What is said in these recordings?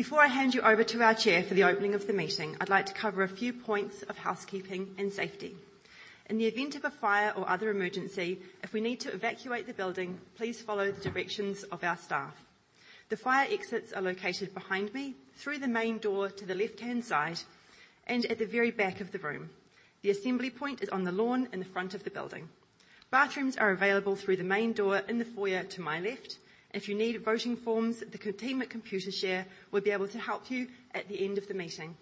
Before I hand you over to our chair for the opening of the meeting, I'd like to cover a few points of housekeeping and safety. In the event of a fire or other emergency, if we need to evacuate the building, please follow the directions of our staff. The fire exits are located behind me, through the main door to the left-hand side, and at the very back of the room. The assembly point is on the lawn in the front of the building. Bathrooms are available through the main door in the foyer to my left. If you need voting forms, the containment Computershare will be able to help you at the end of the meeting.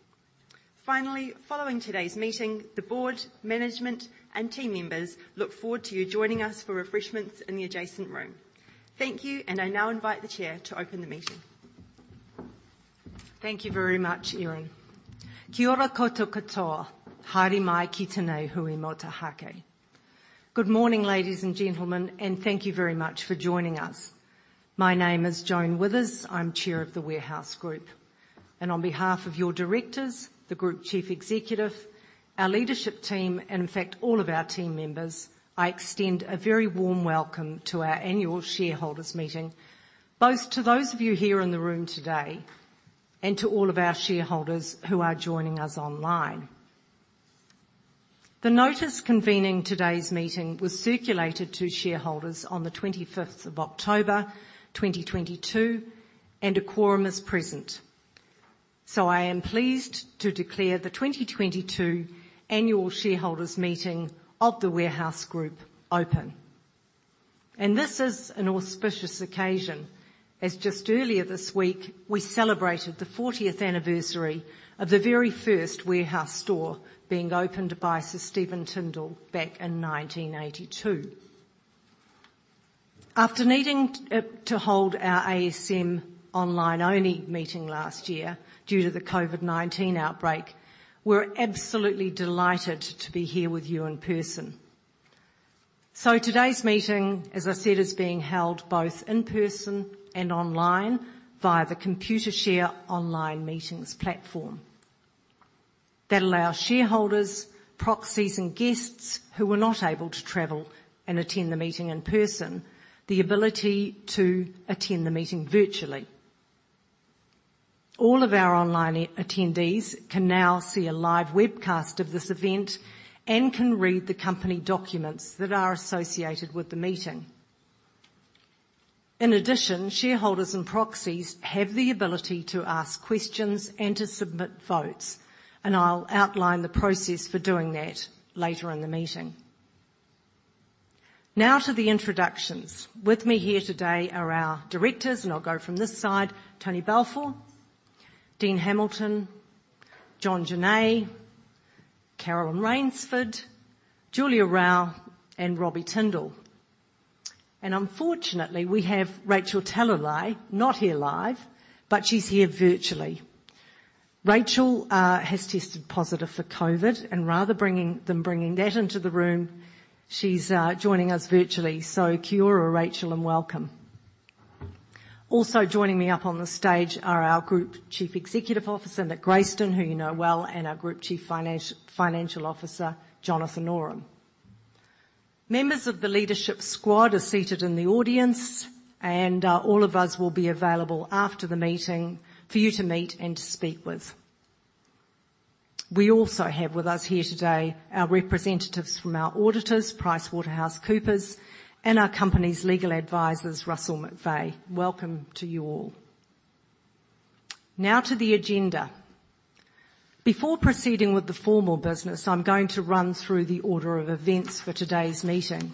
Finally, following today's meeting, the board, management, and team members look forward to you joining us for refreshments in the adjacent room. Thank you. I now invite the chair to open the meeting. Thank you very much, Erin. Good morning, ladies and gentlemen, and thank you very much for joining us. My name is Joan Withers. I'm chair of The Warehouse Group. On behalf of your directors, the group chief executive, our leadership team, and in fact all of our team members, I extend a very warm welcome to our annual shareholders' meeting, both to those of you here in the room today and to all of our shareholders who are joining us online. The notice convening today's meeting was circulated to shareholders on the 25th of October, 2022, and a quorum is present. I am pleased to declare the 2022 annual shareholders meeting of The Warehouse Group open. This is an auspicious occasion, as just earlier this week we celebrated the 40th anniversary of the very first Warehouse store being opened by Sir Stephen Tindall back in 1982. After needing to hold our ASM online-only meeting last year due to the COVID-19 outbreak, we're absolutely delighted to be here with you in person. Today's meeting, as I said, is being held both in person and online via the Computershare online meetings platform that allow shareholders, proxies, and guests who were not able to travel and attend the meeting in person the ability to attend the meeting virtually. All of our online attendees can now see a live webcast of this event and can read the company documents that are associated with the meeting. In addition, shareholders and proxies have the ability to ask questions and to submit votes, and I'll outline the process for doing that later in the meeting. Now to the introductions. With me here today are our directors, and I'll go from this side. Tony Balfour, Dean Hamilton, John Genet, Caroline Rainsford, Julia Raue, and Robbie Tindall. Unfortunately, we have Rachel Taylor not here live, but she's here virtually. Rachel has tested positive for COVID and rather than bringing that into the room, she's joining us virtually. Kia ora, Rachel, and welcome. Also joining me up on the stage are our Group Chief Executive Officer, Nick Grayston, who you know well, and our Group Chief Financial Officer, Jonathan Oram. Members of the leadership squad are seated in the audience. All of us will be available after the meeting for you to meet and to speak with. We also have with us here today our representatives from our auditors, PricewaterhouseCoopers, and our company's legal advisors, Russell McVeagh. Welcome to you all. To the agenda. Before proceeding with the formal business, I'm going to run through the order of events for today's meeting.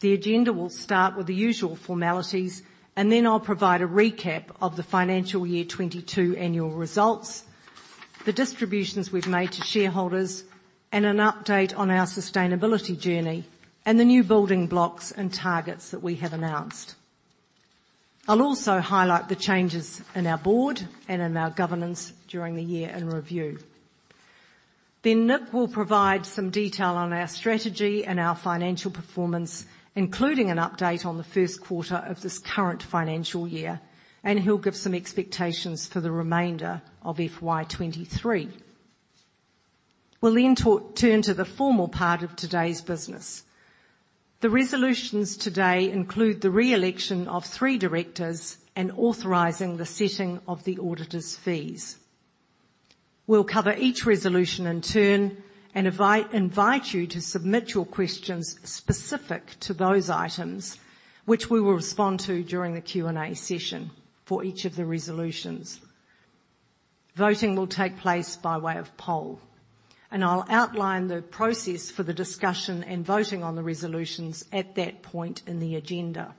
The agenda will start with the usual formalities. I'll provide a recap of the financial year 2022 annual results, the distributions we've made to shareholders, and an update on our sustainability journey and the new building blocks and targets that we have announced. I'll also highlight the changes in our board and in our governance during the year in review. Nick will provide some detail on our strategy and our financial performance, including an update on the first quarter of this current financial year, and he'll give some expectations for the remainder of FY 2023. We'll then turn to the formal part of today's business. The resolutions today include the reelection of three directors and authorizing the setting of the auditors' fees. We'll cover each resolution in turn and invite you to submit your questions specific to those items which we will respond to during the Q&A session for each of the resolutions. Voting will take place by way of poll, and I'll outline the process for the discussion and voting on the resolutions at that point in the agenda.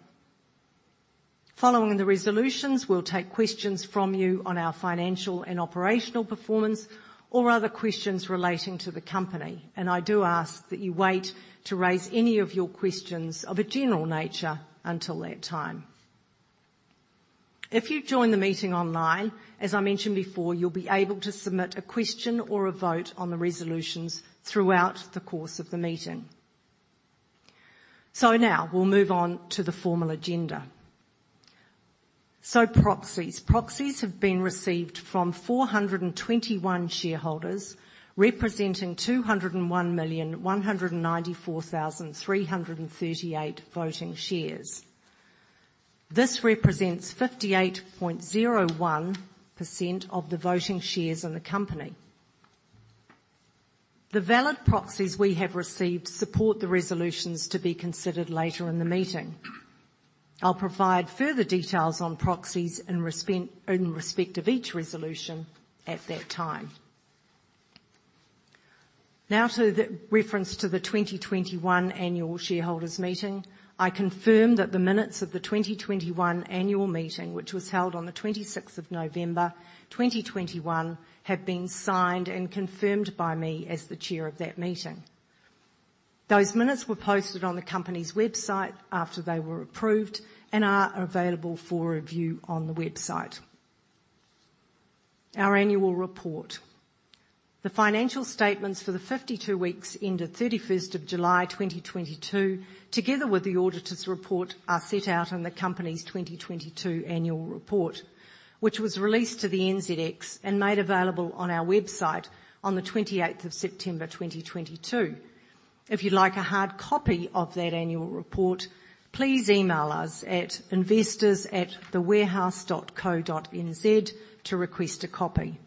Following the resolutions, we'll take questions from you on our financial and operational performance or other questions relating to the company. I do ask that you wait to raise any of your questions of a general nature until that time. If you join the meeting online, as I mentioned before, you'll be able to submit a question or a vote on the resolutions throughout the course of the meeting. Now we'll move on to the formal agenda. Proxies. Proxies have been received from 421 shareholders, representing 201 million, 194,338 voting shares. This represents 58.01% of the voting shares in the company. The valid proxies we have received support the resolutions to be considered later in the meeting. I'll provide further details on proxies in respect of each resolution at that time. Now to the reference to the 2021 annual shareholders meeting. I confirm that the minutes of the 2021 annual meeting, which was held on the 26th of November, 2021, have been signed and confirmed by me as the Chair of that meeting. Those minutes were posted on the company's website after they were approved and are available for review on the website. Our annual report. The financial statements for the 52 weeks ended 31st of July, 2022, together with the auditor's report, are set out in the company's 2022 annual report, which was released to the NZX and made available on our website on the 28th of September, 2022. If you'd like a hard copy of that annual report, please email us at investors@thewarehouse.co.nz to request a copy.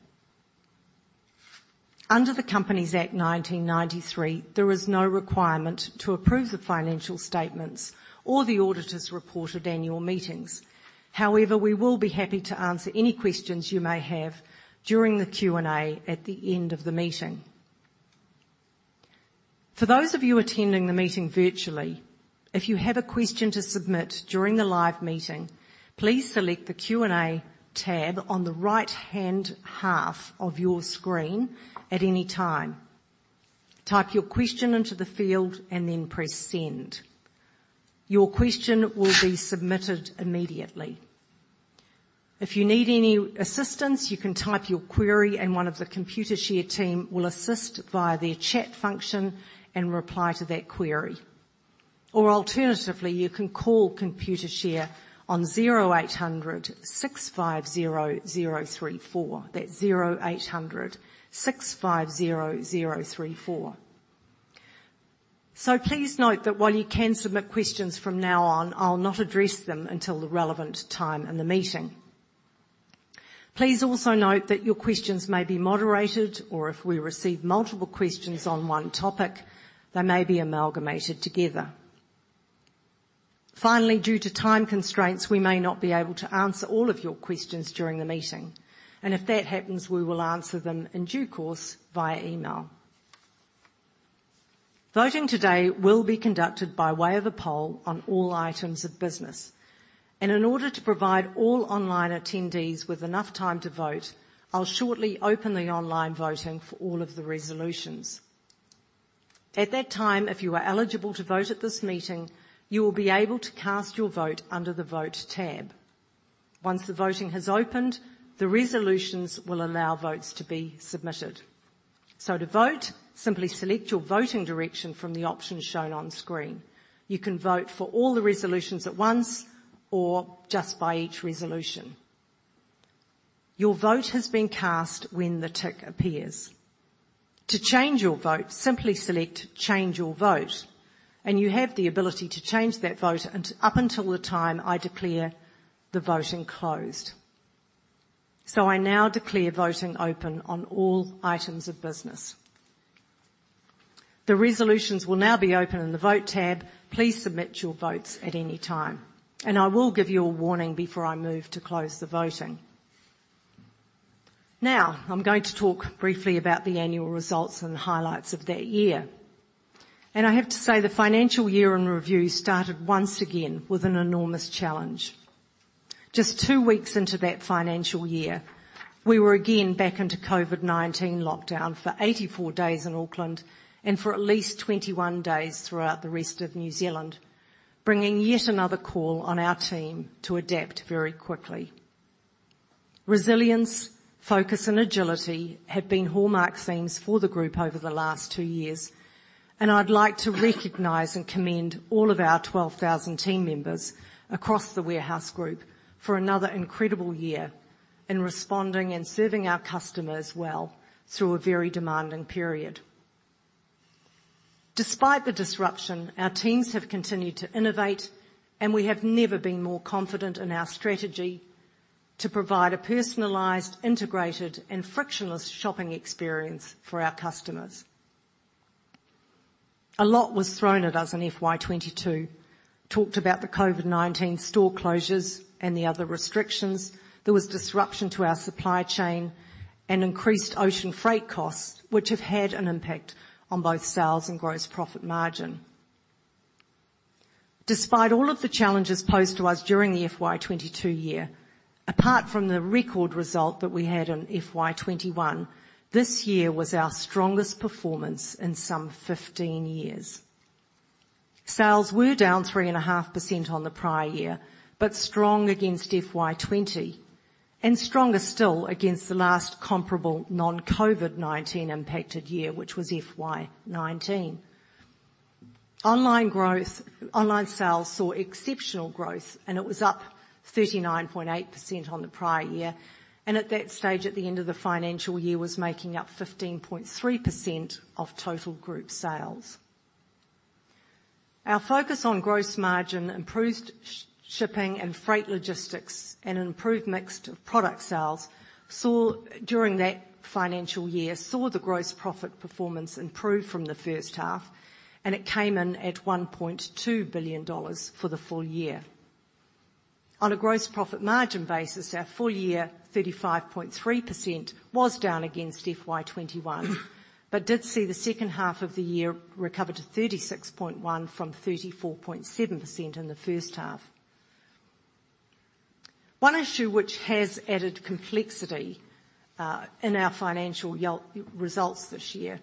Under the Companies Act 1993, there is no requirement to approve the financial statements or the auditor's report at annual meetings. However, we will be happy to answer any questions you may have during the Q&A at the end of the meeting. For those of you attending the meeting virtually, if you have a question to submit during the live meeting, please select the Q&A tab on the right-hand half of your screen at any time. Type your question into the field and then press Send. Your question will be submitted immediately. If you need any assistance, you can type your query, and one of the Computershare team will assist via their chat function and reply to that query. Alternatively, you can call Computershare on 0800 650 034. That's 0800 650 034. Please note that while you can submit questions from now on, I'll not address them until the relevant time in the meeting. Please also note that your questions may be moderated or if we receive multiple questions on one topic, they may be amalgamated together. Finally, due to time constraints, we may not be able to answer all of your questions during the meeting, and if that happens, we will answer them in due course via email. Voting today will be conducted by way of a poll on all items of business. In order to provide all online attendees with enough time to vote, I'll shortly open the online voting for all of the resolutions. At that time, if you are eligible to vote at this meeting, you will be able to cast your vote under the Vote tab. Once the voting has opened, the resolutions will allow votes to be submitted. To vote, simply select your voting direction from the options shown on screen. You can vote for all the resolutions at once or just by each resolution. Your vote has been cast when the tick appears. To change your vote, simply select Change Your Vote, and you have the ability to change that vote up until the time I declare the voting closed. I now declare voting open on all items of business. The resolutions will now be open in the Vote tab. Please submit your votes at any time, and I will give you a warning before I move to close the voting. I'm going to talk briefly about the annual results and the highlights of that year. I have to say, the financial year in review started once again with an enormous challenge. Just two weeks into that financial year, we were again back into COVID-19 lockdown for 84 days in Auckland and for at least 21 days throughout the rest of New Zealand, bringing yet another call on our team to adapt very quickly. Resilience, focus, and agility have been hallmark themes for the group over the last two years, and I'd like to recognize and commend all of our 12,000 team members across The Warehouse Group for another incredible year in responding and serving our customers well through a very demanding period. Despite the disruption, our teams have continued to innovate, and we have never been more confident in our strategy to provide a personalized, integrated, and frictionless shopping experience for our customers. A lot was thrown at us in FY 2022. Talked about the COVID-19 store closures and the other restrictions. There was disruption to our supply chain and increased ocean freight costs, which have had an impact on both sales and gross profit margin. Despite all of the challenges posed to us during the FY 2022, apart from the record result that we had in FY 2021, this year was our strongest performance in some 15 years. Sales were down 3.5% on the prior year, but strong against FY 2020 and stronger still against the last comparable non-COVID-19 impacted year, which was FY 2019. Online sales saw exceptional growth. It was up 39.8% on the prior year. At that stage, at the end of the financial year, was making up 15.3% of total group sales. Our focus on gross margin, improved shipping and freight logistics, improved mixed product sales during that financial year, saw the gross profit performance improve from the first half. It came in at 1.2 billion dollars for the full-year. On a gross profit margin basis, our full-year 35.3% was down against FY 2021, did see the second half of the year recover to 36.1% from 34.7% in the first half. One issue which has added complexity in our financial year-results this year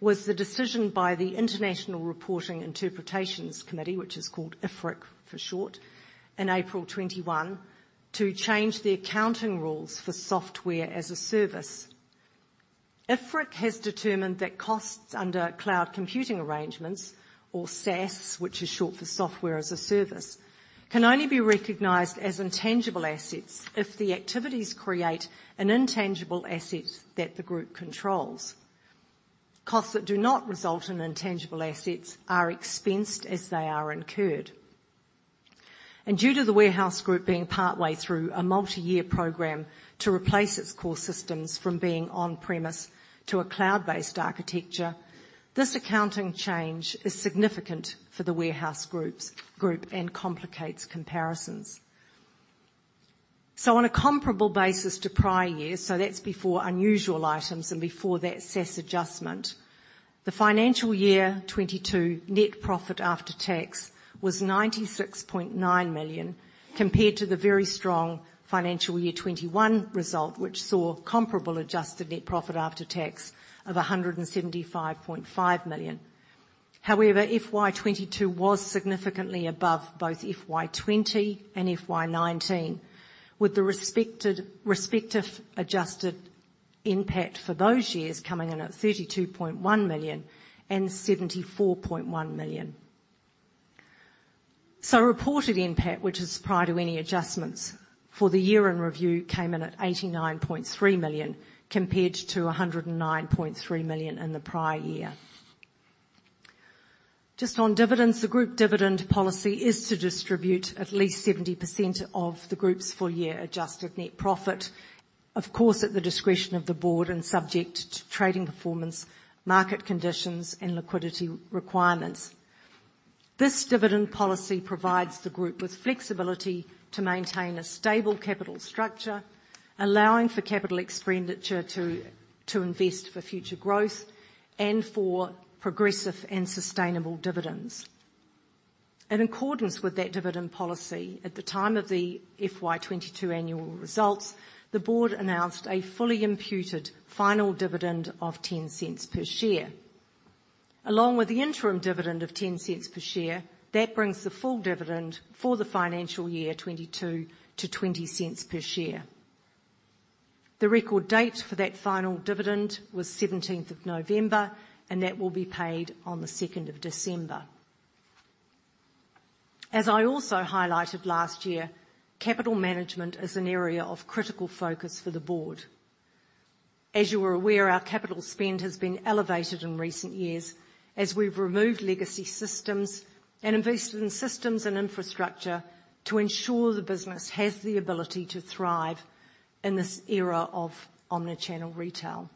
was the decision by the International Reporting Interpretations Committee, which is called IFRIC for short, in April 21, to change the accounting rules for software as a service. IFRIC has determined that costs under cloud computing arrangements or SaaS, which is short for software as a service, can only be recognized as intangible assets if the activities create an intangible asset that the group controls. Costs that do not result in intangible assets are expensed as they are incurred. Due to The Warehouse Group being partway through a multiyear program to replace its core systems from being on-premise to a cloud-based architecture, this accounting change is significant for The Warehouse Group and complicates comparisons. On a comparable basis to prior years, so that's before unusual items and before that SaaS adjustment, the financial year 2022 net profit after tax was 96.9 million, compared to the very strong financial year 2021 result, which saw comparable adjusted net profit after tax of 175.5 million. FY 2022 was significantly above both FY 2020 and FY 2019, with the respective adjusted NPAT for those years coming in at 32.1 million and 74.1 million. Reported NPAT, which is prior to any adjustments for the year in review, came in at 89.3 million compared to 109.3 million in the prior year. Just on dividends, the group dividend policy is to distribute at least 70% of the group's full-year adjusted net profit, of course at the discretion of the board and subject to trading performance, market conditions and liquidity requirements. This dividend policy provides the group with flexibility to maintain a stable capital structure, allowing for capital expenditure to invest for future growth and for progressive and sustainable dividends. In accordance with that dividend policy, at the time of the FY2022 annual results, the board announced a fully imputed final dividend of 0.10 per share. Along with the interim dividend of 0.10 per share, that brings the full dividend for the financial year 2022 to 0.20 per share. The record date for that final dividend was 17th of November, and that will be paid on the 2nd of December. As I also highlighted last year, capital management is an area of critical focus for the Board. As you are aware, our capital spend has been elevated in recent years as we've removed legacy systems and invested in systems and infrastructure to ensure the business has the ability to thrive in this era of omni-channel retail.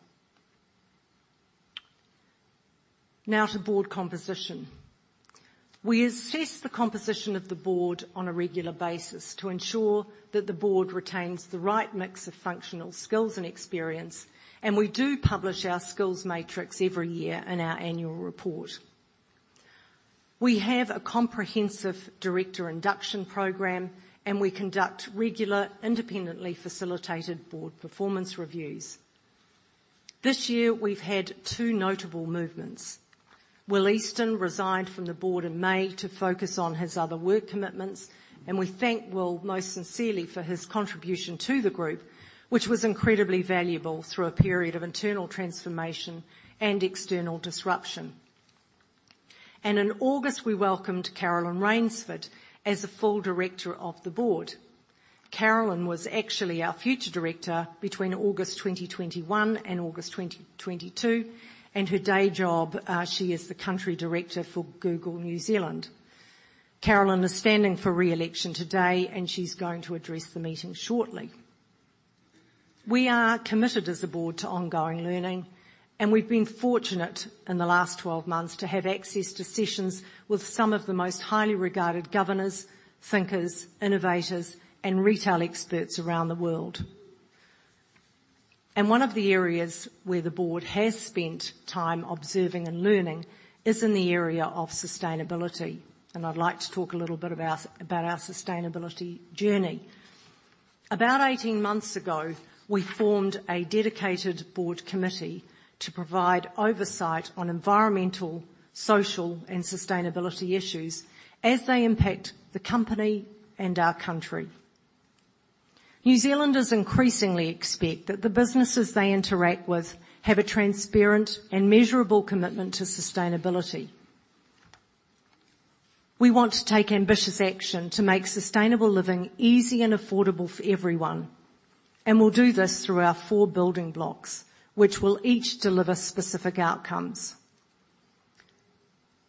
Now to Board composition. We assess the composition of the Board on a regular basis to ensure that the Board retains the right mix of functional skills and experience, and we do publish our skills matrix every year in our annual report. We have a comprehensive director induction program, and we conduct regular, independently facilitated Board performance reviews. This year, we've had two notable movements. Will Easton resigned from the board in May to focus on his other work commitments. We thank Will most sincerely for his contribution to the group, which was incredibly valuable through a period of internal transformation and external disruption. In August, we welcomed Caroline Rainsford as a full director of the board. Caroline was actually our future director between August 2021 and August 2022, and her day job, she is the country director for Google New Zealand. Caroline is standing for re-election today. She's going to address the meeting shortly. We are committed as a board to ongoing learning. We've been fortunate in the last 12 months to have access to sessions with some of the most highly regarded governors, thinkers, innovators and retail experts around the world. One of the areas where the board has spent time observing and learning is in the area of sustainability. I'd like to talk a little bit about our sustainability journey. About 18 months ago, we formed a dedicated board committee to provide oversight on environmental, social and sustainability issues as they impact the company and our country. New Zealanders increasingly expect that the businesses they interact with have a transparent and measurable commitment to sustainability. We want to take ambitious action to make sustainable living easy and affordable for everyone. We'll do this through our 4 building blocks, which will each deliver specific outcomes.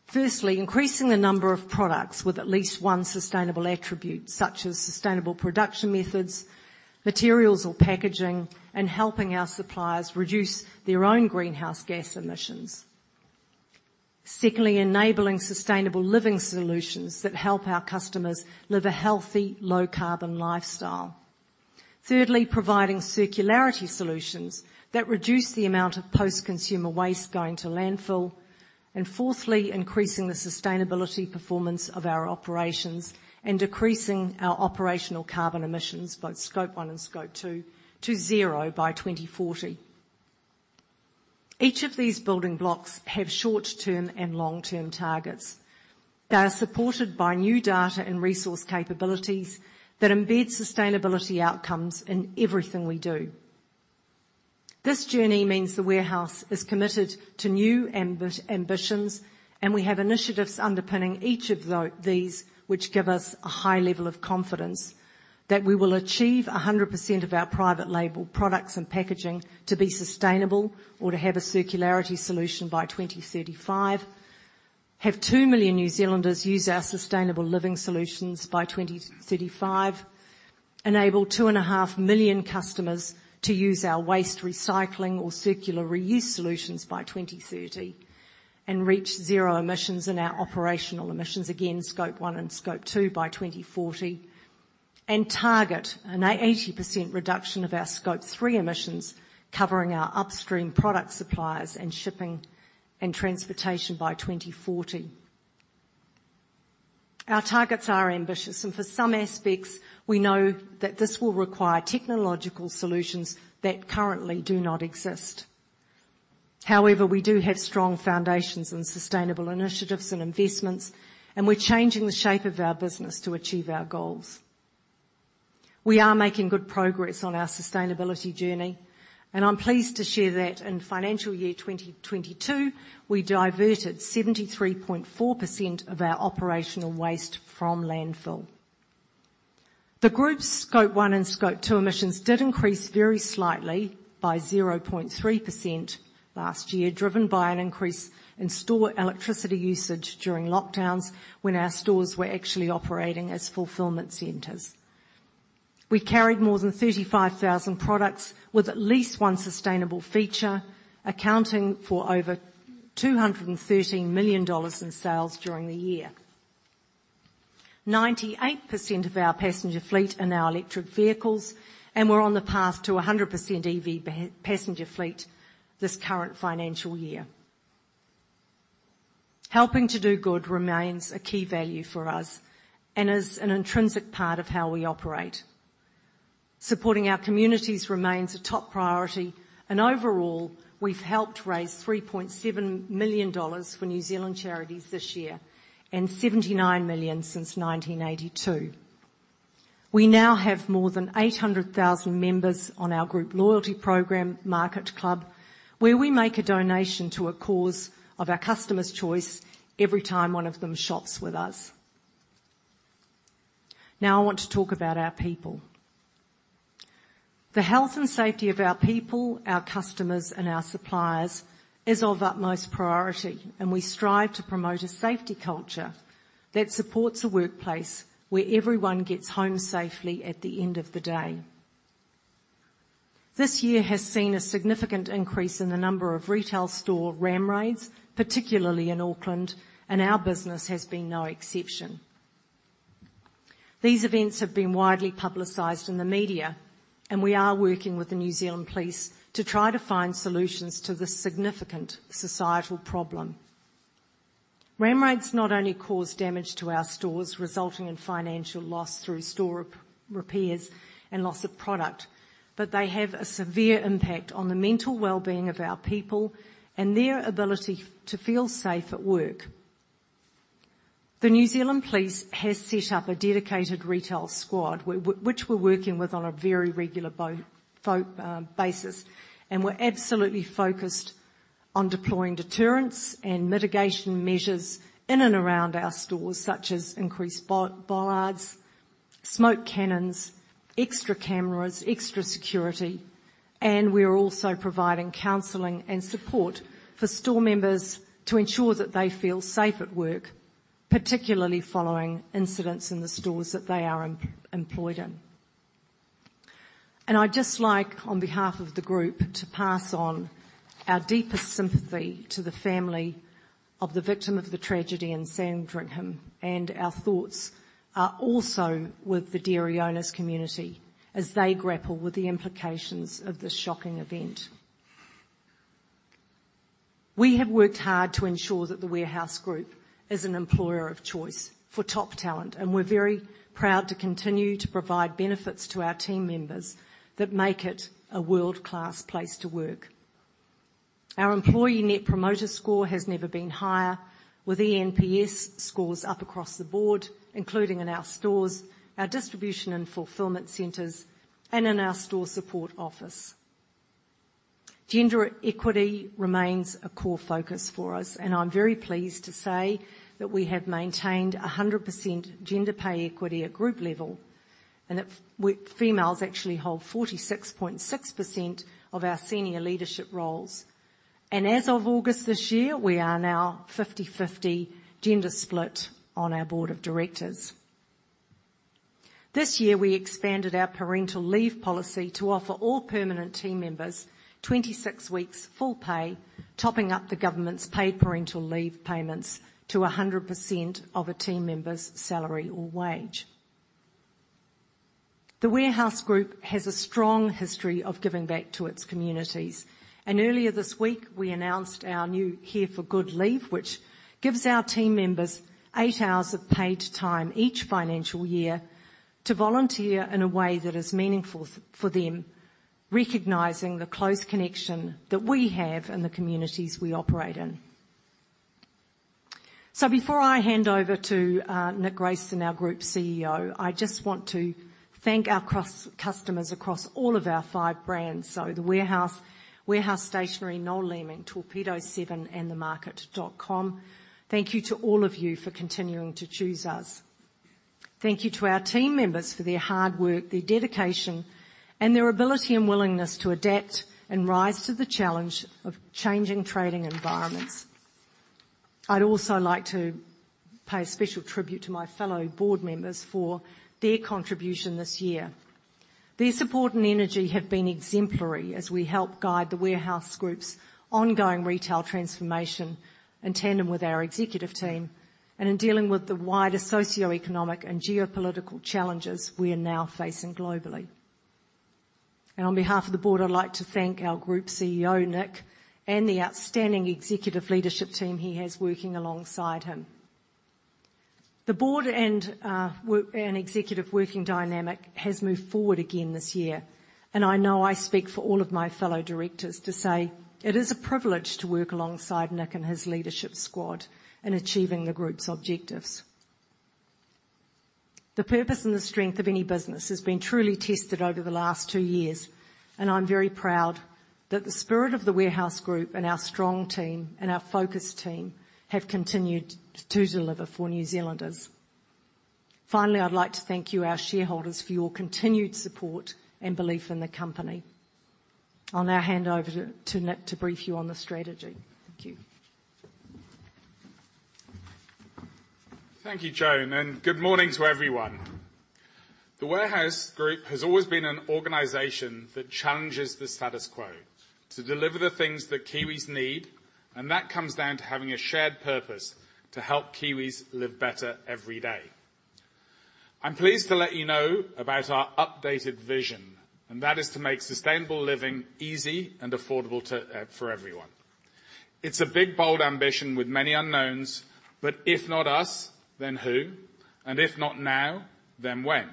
Firstly, increasing the number of products with at least one sustainable attribute, such as sustainable production methods, materials or packaging, and helping our suppliers reduce their own greenhouse gas emissions. Secondly, enabling sustainable living solutions that help our customers live a healthy, low carbon lifestyle. Thirdly, providing circularity solutions that reduce the amount of post-consumer waste going to landfill. Fourthly, increasing the sustainability performance of our operations and decreasing our operational carbon emissions, both Scope 1 and Scope 2, to zero by 2040. Each of these building blocks have short-term and long-term targets. They are supported by new data and resource capabilities that embed sustainability outcomes in everything we do. This journey means The Warehouse is committed to new ambitions, and we have initiatives underpinning each of these, which give us a high level of confidence that we will achieve 100% of our private label products and packaging to be sustainable or to have a circularity solution by 2035, have 2 million New Zealanders use our sustainable living solutions by 2035, enable 2.5 million customers to use our waste recycling or circular reuse solutions by 2030, and reach zero emissions in our operational emissions, again, Scope 1 and Scope 2, by 2040, and target an 80% reduction of our Scope 3 emissions covering our upstream product suppliers and shipping and transportation by 2040. Our targets are ambitious, and for some aspects, we know that this will require technological solutions that currently do not exist. However, we do have strong foundations in sustainable initiatives and investments, and we're changing the shape of our business to achieve our goals. We are making good progress on our sustainability journey, and I'm pleased to share that in financial year 2022, we diverted 73.4% of our operational waste from landfill. The group's Scope 1 and Scope 2 emissions did increase very slightly by 0.3% last year, driven by an increase in store electricity usage during lockdowns when our stores were actually operating as fulfillment centers. We carried more than 35,000 products with at least one sustainable feature, accounting for over 213 million dollars in sales during the year. 98% of our passenger fleet are now electric vehicles, and we're on the path to a 100% EV passenger fleet this current financial year. Helping to do good remains a key value for us and is an intrinsic part of how we operate. Overall, we've helped raise 3.7 million dollars for New Zealand charities this year and 79 million since 1982. We now have more than 800,000 members on our group loyalty program, MarketClub, where we make a donation to a cause of our customer's choice every time one of them shops with us. Now, I want to talk about our people. The health and safety of our people, our customers, and our suppliers is of utmost priority. We strive to promote a safety culture that supports a workplace where everyone gets home safely at the end of the day. This year has seen a significant increase in the number of retail store ram raids, particularly in Auckland, and our business has been no exception. These events have been widely publicized in the media, and we are working with the New Zealand Police to try to find solutions to this significant societal problem. Ram raids not only cause damage to our stores, resulting in financial loss through store repairs and loss of product, but they have a severe impact on the mental wellbeing of our people and their ability to feel safe at work. The New Zealand Police has set up a dedicated retail squad which we're working with on a very regular basis. We're absolutely focused on deploying deterrence and mitigation measures in and around our stores, such as increased bollards, smoke cannons, extra cameras, extra security. We are also providing counseling and support for store members to ensure that they feel safe at work, particularly following incidents in the stores that they are employed in. I'd just like, on behalf of the group, to pass on our deepest sympathy to the family of the victim of the tragedy in Sandringham. Our thoughts are also with the dairy owner's community as they grapple with the implications of this shocking event. We have worked hard to ensure that The Warehouse Group is an employer of choice for top talent, and we're very proud to continue to provide benefits to our team members that make it a world-class place to work. Our employee net promoter score has never been higher, with eNPS scores up across the board, including in our stores, our distribution and fulfillment centers, and in our store support office. Gender equity remains a core focus for us, and I'm very pleased to say that we have maintained 100% gender pay equity at group level, and that females actually hold 46.6% of our senior leadership roles. As of August this year, we are now 50/50 gender split on our board of directors. This year we expanded our parental leave policy to offer all permanent team members 26 weeks full pay, topping up the government's paid parental leave payments to 100% of a team member's salary or wage. The Warehouse Group has a strong history of giving back to its communities. Earlier this week, we announced our new Here for Good leave, which gives our team members eight hours of paid time each financial year to volunteer in a way that is meaningful for them, recognizing the close connection that we have in the communities we operate in. Before I hand over to Nick Grayston, our Group CEO, I just want to thank our customers across all of our five brands, The Warehouse Stationery, Noel Leeming, Torpedo7, and TheMarket.com. Thank you to all of you for continuing to choose us. Thank you to our team members for their hard work, their dedication, and their ability and willingness to adapt and rise to the challenge of changing trading environments. I'd also like to pay a special tribute to my fellow board members for their contribution this year. Their support and energy have been exemplary as we help guide The Warehouse Group's ongoing retail transformation in tandem with our executive team, and in dealing with the wider socioeconomic and geopolitical challenges we are now facing globally. On behalf of the board, I'd like to thank our Group CEO, Nick, and the outstanding executive leadership team he has working alongside him. The board and executive working dynamic has moved forward again this year, and I know I speak for all of my fellow directors to say it is a privilege to work alongside Nick and his leadership squad in achieving the group's objectives. The purpose and the strength of any business has been truly tested over the last two years, and I'm very proud that the spirit of The Warehouse Group and our strong team and our focused team have continued to deliver for New Zealanders. Finally, I'd like to thank you, our shareholders, for your continued support and belief in the company. I'll now hand over to Nick to brief you on the strategy. Thank you. Thank you, Joan, and good morning to everyone. The Warehouse Group has always been an organization that challenges the status quo to deliver the things that Kiwis need, and that comes down to having a shared purpose to help Kiwis live better every day. I'm pleased to let you know about our updated vision, and that is to make sustainable living easy and affordable for everyone. It's a big, bold ambition with many unknowns, but if not us, then who? If not now, then when?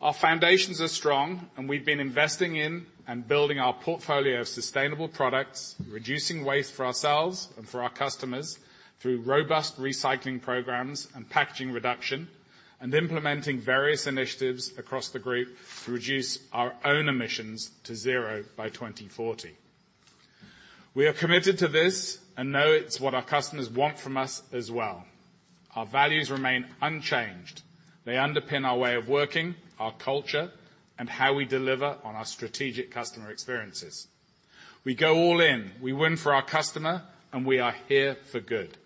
Our foundations are strong, and we've been investing in and building our portfolio of sustainable products, reducing waste for ourselves and for our customers through robust recycling programs and packaging reduction, and implementing various initiatives across the group to reduce our own emissions to zero by 2040. We are committed to this and know it's what our customers want from us as well. Our values remain unchanged. They underpin our way of working, our culture, and how we deliver on our strategic customer experiences. We go all in, we win for our customer, and we are Here for Good.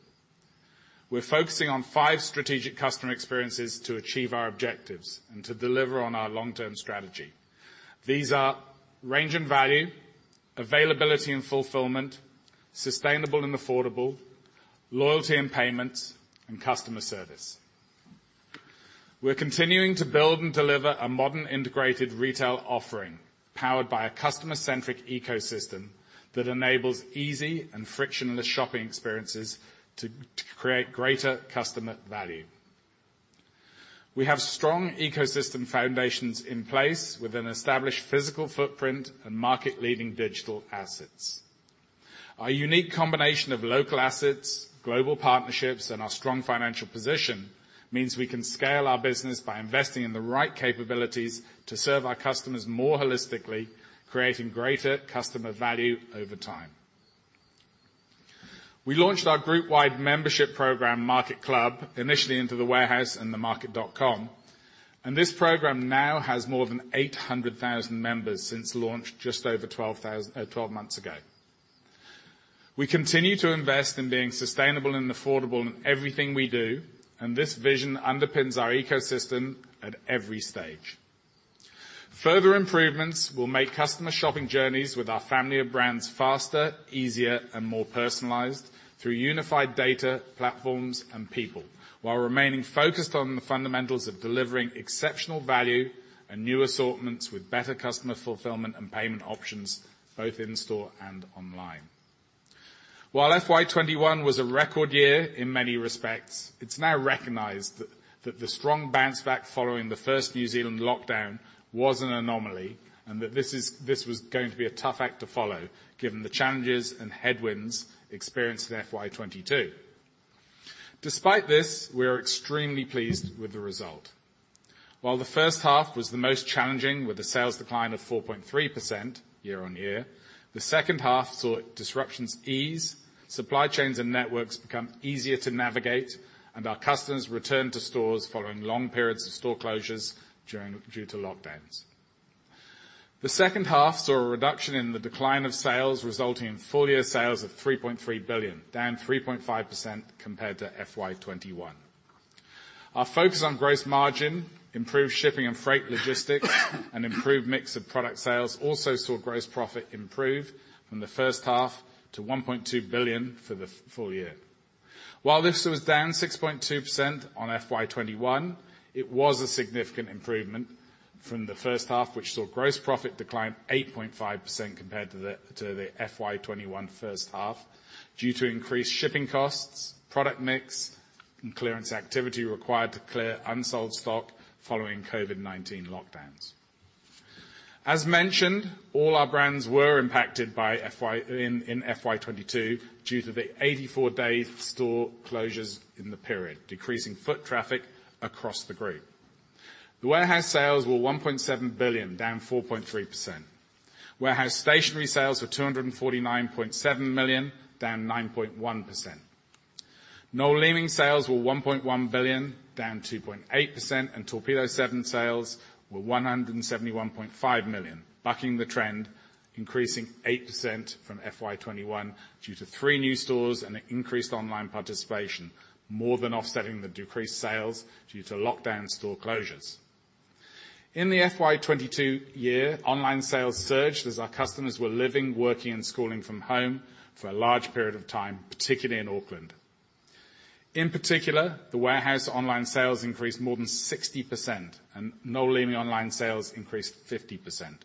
We're focusing on five strategic customer experiences to achieve our objectives and to deliver on our long-term strategy. These are range and value, availability and fulfillment, sustainable and affordable, loyalty and payments, and customer service. We're continuing to build and deliver a modern integrated retail offering powered by a customer-centric ecosystem that enables easy and frictionless shopping experiences to create greater customer value. We have strong ecosystem foundations in place with an established physical footprint and market-leading digital assets. Our unique combination of local assets, global partnerships, and our strong financial position means we can scale our business by investing in the right capabilities to serve our customers more holistically, creating greater customer value over time. We launched our group wide membership program, MarketClub, initially into The Warehouse and TheMarket.com, and this program now has more than 800,000 members since launch just over 12,000, 12 months ago. We continue to invest in being sustainable and affordable in everything we do, and this vision underpins our ecosystem at every stage. Further improvements will make customer shopping journeys with our family of brands faster, easier, and more personalized through unified data, platforms, and people, while remaining focused on the fundamentals of delivering exceptional value and new assortments with better customer fulfillment and payment options both in store and online. While FY 2021 was a record year in many respects, it's now recognized that the strong bounce back following the first New Zealand lockdown was an anomaly, and that this was going to be a tough act to follow given the challenges and headwinds experienced in FY 2022. Despite this, we are extremely pleased with the result. While the first half was the most challenging, with a sales decline of 4.3% year-over-year, the second half saw disruptions ease, supply chains and networks become easier to navigate, and our customers returned to stores following long periods of store closures due to lockdowns. The second half saw a reduction in the decline of sales, resulting in full-year sales of 3.3 billion, down 3.5% compared to FY 2021. Our focus on gross margin, improved shipping and freight logistics, and improved mix of product sales also saw gross profit improve from the first half to 1.2 billion for the full-year. While this was down 6.2% on FY 2021, it was a significant improvement from the first half, which saw gross profit decline 8.5% compared to the FY 2021 first half due to increased shipping costs, product mix, and clearance activity required to clear unsold stock following COVID-19 lockdowns. As mentioned, all our brands were impacted in FY 2022 due to the 84 day store closures in the period, decreasing foot traffic across the group. The Warehouse sales were 1.7 billion, down 4.3%. Warehouse Stationery sales were 249.7 million, down 9.1%. Noel Leeming sales were 1.1 billion, down 2.8%, and Torpedo7 sales were 171.5 million, bucking the trend, increasing 8% from FY 2021 due to three new stores and increased online participation, more than offsetting the decreased sales due to lockdown store closures. In the FY 2022 year, online sales surged as our customers were living, working, and schooling from home for a large period of time, particularly in Auckland. In particular, The Warehouse online sales increased more than 60%, and Noel Leeming online sales increased 50%.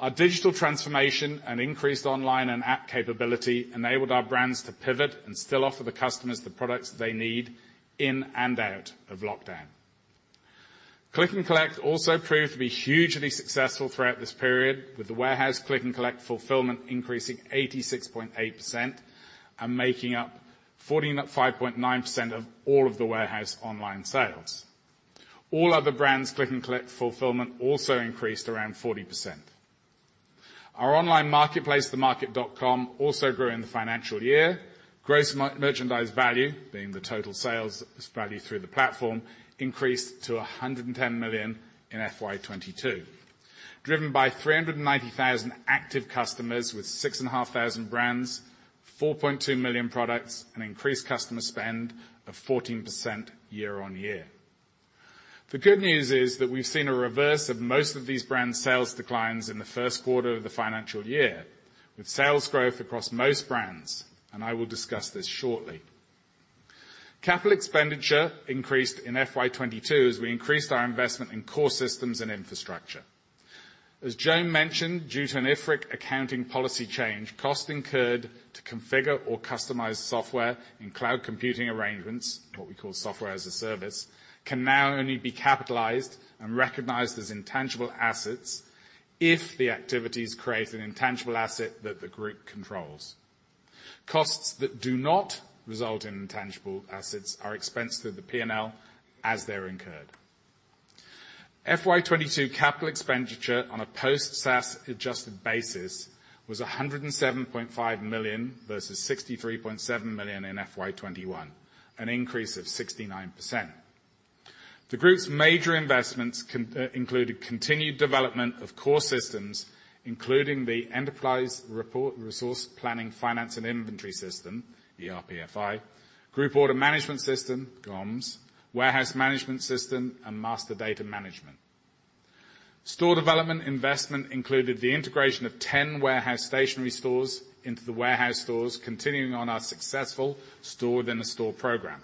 Our digital transformation and increased online and app capability enabled our brands to pivot and still offer the customers the products they need in and out of lockdown. Click and collect also proved to be hugely successful throughout this period, with The Warehouse click and collect fulfillment increasing 86.8% and making up 49.9% of all of The Warehouse online sales. All other brands' click and collect fulfillment also increased around 40%. Our online marketplace, TheMarket.com, also grew in the financial year. Gross merchandise value, being the total sales value through the platform, increased to 110 million in FY 2022, driven by 390,000 active customers with 6,500 brands, 4.2 million products, and increased customer spend of 14% year-on-year. The good news is that we've seen a reverse of most of these brands' sales declines in the first quarter of the financial year, with sales growth across most brands, and I will discuss this shortly. CapEx increased in FY 2022 as we increased our investment in core systems and infrastructure. As Joan mentioned, due to an IFRIC accounting policy change, cost incurred to configure or customize software in cloud computing arrangements, what we call Software as a Service, can now only be capitalized and recognized as intangible assets if the activities create an intangible asset that the group controls. Costs that do not result in intangible assets are expensed through the P&L as they're incurred. FY 2022 CapEx on a post-SaaS adjusted basis was 107.5 million versus 63.7 million in FY 2021, an increase of 69%. The group's major investments included continued development of core systems, including the enterprise resource planning, finance, and inventory system, ERP FI, group order management system, GOMS, warehouse management system, and master data management. Store development investment included the integration of 10 Warehouse Stationery stores into The Warehouse stores, continuing on our successful store-within-a-store program,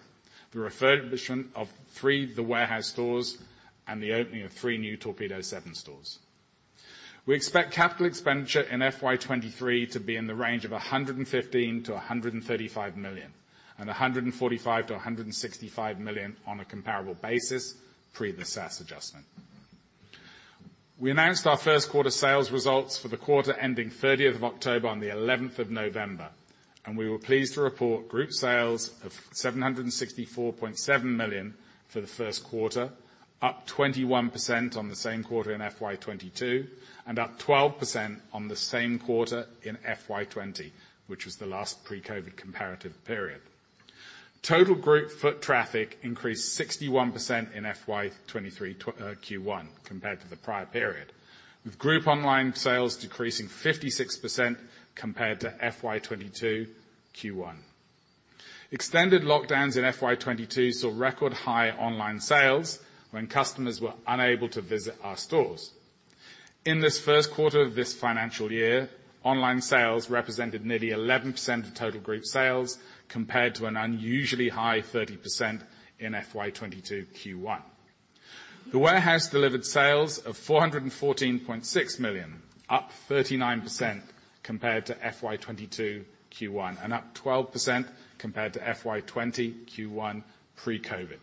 the refurbishment of three of The Warehouse stores, and the opening of three new Torpedo7 stores. We expect capital expenditure in FY 2023 to be in the range of 115 million-135 million, and 145 million-165 million on a comparable basis, pre the SaaS adjustment. We announced our first quarter sales results for the quarter ending 30th of October on the 11th of November, and we were pleased to report group sales of 764.7 million for the first quarter, up 21% on the same quarter in FY 2022, and up 12% on the same quarter in FY 2020, which was the last pre-COVID comparative period. Total group foot traffic increased 61% in FY 2023 Q1 compared to the prior period, with group online sales decreasing 56% compared to FY 2022 Q1. Extended lockdowns in FY 2022 saw record high online sales when customers were unable to visit our stores. In this first quarter of this financial year, online sales represented nearly 11% of total group sales compared to an unusually high 30% in FY 2022 Q1. The Warehouse delivered sales of 414.6 million, up 39% compared to FY 2022 Q1 and up 12% compared to FY 20 Q1 pre-COVID.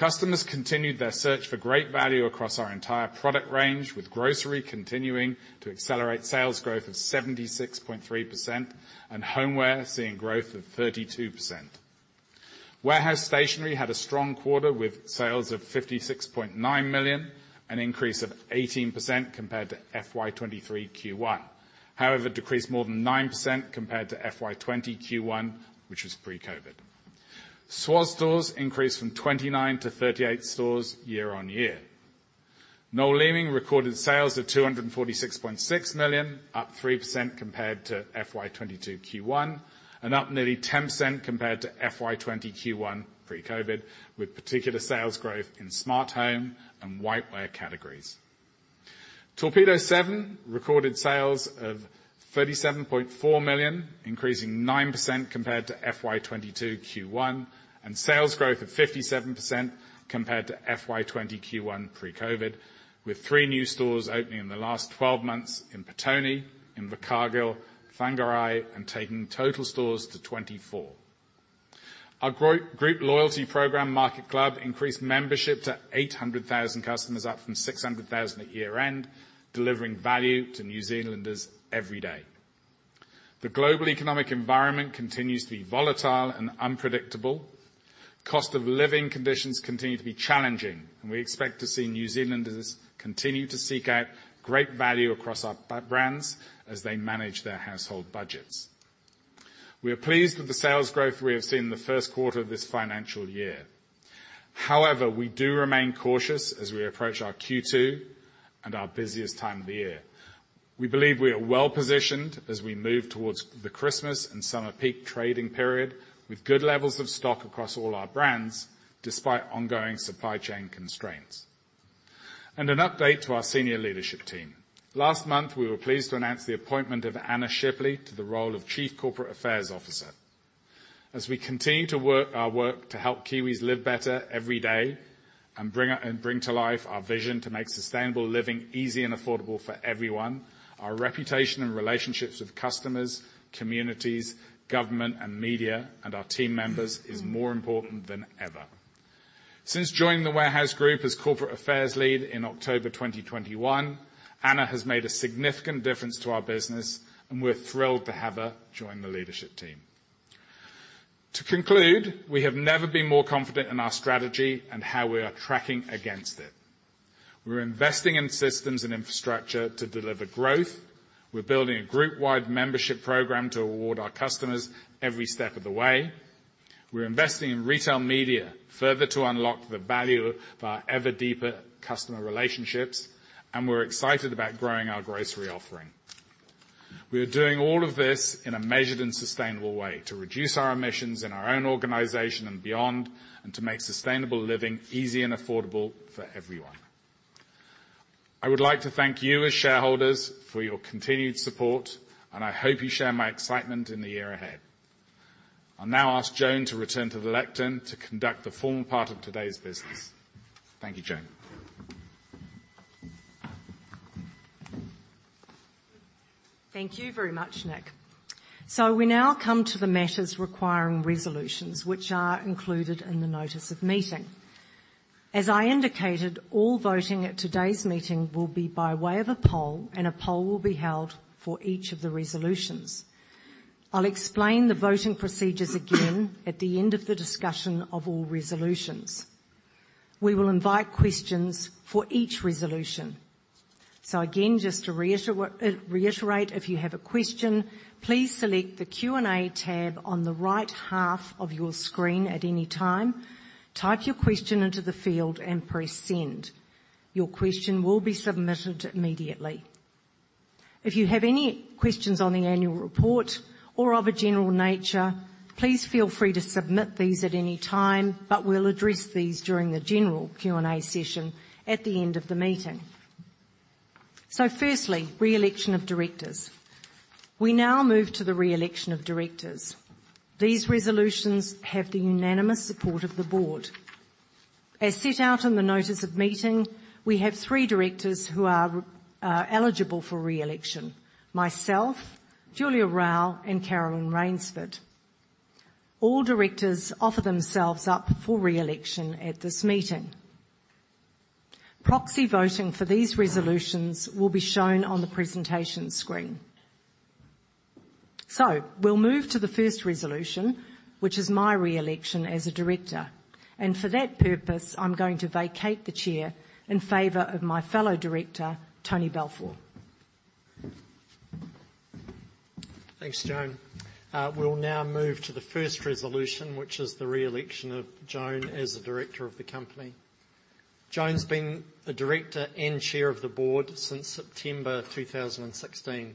Customers continued their search for great value across our entire product range, with grocery continuing to accelerate sales growth of 76.3%, and homeware seeing growth of 32%. Warehouse Stationery had a strong quarter with sales of 56.9 million, an increase of 18% compared to FY 2023 Q1. However, decreased more than 9% compared to FY 2020 Q1, which was pre-COVID. SWAS stores increased from 29 to 38 stores year-on-year. Noel Leeming recorded sales of 246.6 million, up 3% compared to FY 2022 Q1, and up nearly 10% compared to FY20 Q1 pre-COVID, with particular sales growth in smart home and whiteware categories. Torpedo7 recorded sales of 37.4 million, increasing 9% compared to FY 2022 Q1, and sales growth of 57% compared to FY 2020 Q1 pre-COVID, with three new stores opening in the last 12 months in Petone, in, [inaudible] Whangarei, and taking total stores to 24. Our group loyalty program, MarketClub, increased membership to 800,000 customers, up from 600,000 at year-end, delivering value to New Zealanders every day. The global economic environment continues to be volatile and unpredictable. Cost of living conditions continue to be challenging, and we expect to see New Zealanders continue to seek out great value across our brands as they manage their household budgets. We are pleased with the sales growth we have seen in the first quarter of this financial year. However, we do remain cautious as we approach our Q2 and our busiest time of the year. We believe we are well-positioned as we move towards the Christmas and summer peak trading period with good levels of stock across all our brands, despite ongoing supply chain constraints. An update to our senior leadership team. Last month, we were pleased to announce the appointment of Anna Shipley to the role of Chief Corporate Affairs Officer. As we continue to work our work to help Kiwis live better every day and bring to life our vision to make sustainable living easy and affordable for everyone, our reputation and relationships with customers, communities, government and media, and our team members is more important than ever. Since joining The Warehouse Group as Corporate Affairs Lead in October 2021, Anna has made a significant difference to our business, and we're thrilled to have her join the leadership team. To conclude, we have never been more confident in our strategy and how we are tracking against it. We're investing in systems and infrastructure to deliver growth. We're building a group-wide membership program to award our customers every step of the way. We're investing in retail media further to unlock the value of our ever deeper customer relationships, and we're excited about growing our grocery offering. We are doing all of this in a measured and sustainable way to reduce our emissions in our own organization and beyond, and to make sustainable living easy and affordable for everyone. I would like to thank you as shareholders for your continued support, and I hope you share my excitement in the year ahead. I'll now ask Joan to return to the lectern to conduct the formal part of today's business. Thank you, Joan. Thank you very much, Nick. We now come to the matters requiring resolutions which are included in the notice of meeting. As I indicated, all voting at today's meeting will be by way of a poll, and a poll will be held for each of the resolutions. I'll explain the voting procedures again at the end of the discussion of all resolutions. We will invite questions for each resolution. Again, just to reiterate, if you have a question, please select the Q&A tab on the right half of your screen at any time. Type your question into the field and press Send. Your question will be submitted immediately. If you have any questions on the annual report or of a general nature, please feel free to submit these at any time, but we'll address these during the general Q&A session at the end of the meeting. Firstly, reelection of directors. We now move to the reelection of directors. These resolutions have the unanimous support of the board. As set out in the notice of meeting, we have three directors who are eligible for reelection: myself, Julia Raue, and Caroline Rainsford. All directors offer themselves up for reelection at this meeting. Proxy voting for these resolutions will be shown on the presentation screen. We'll move to the first resolution, which is my reelection as a director, and for that purpose, I'm going to vacate the chair in favor of my fellow Director, Tony Balfour. Thanks, Joan. We'll now move to the first resolution, which is the reelection of Joan as a director of the company. Joan's been a director and chair of the board since September 2016.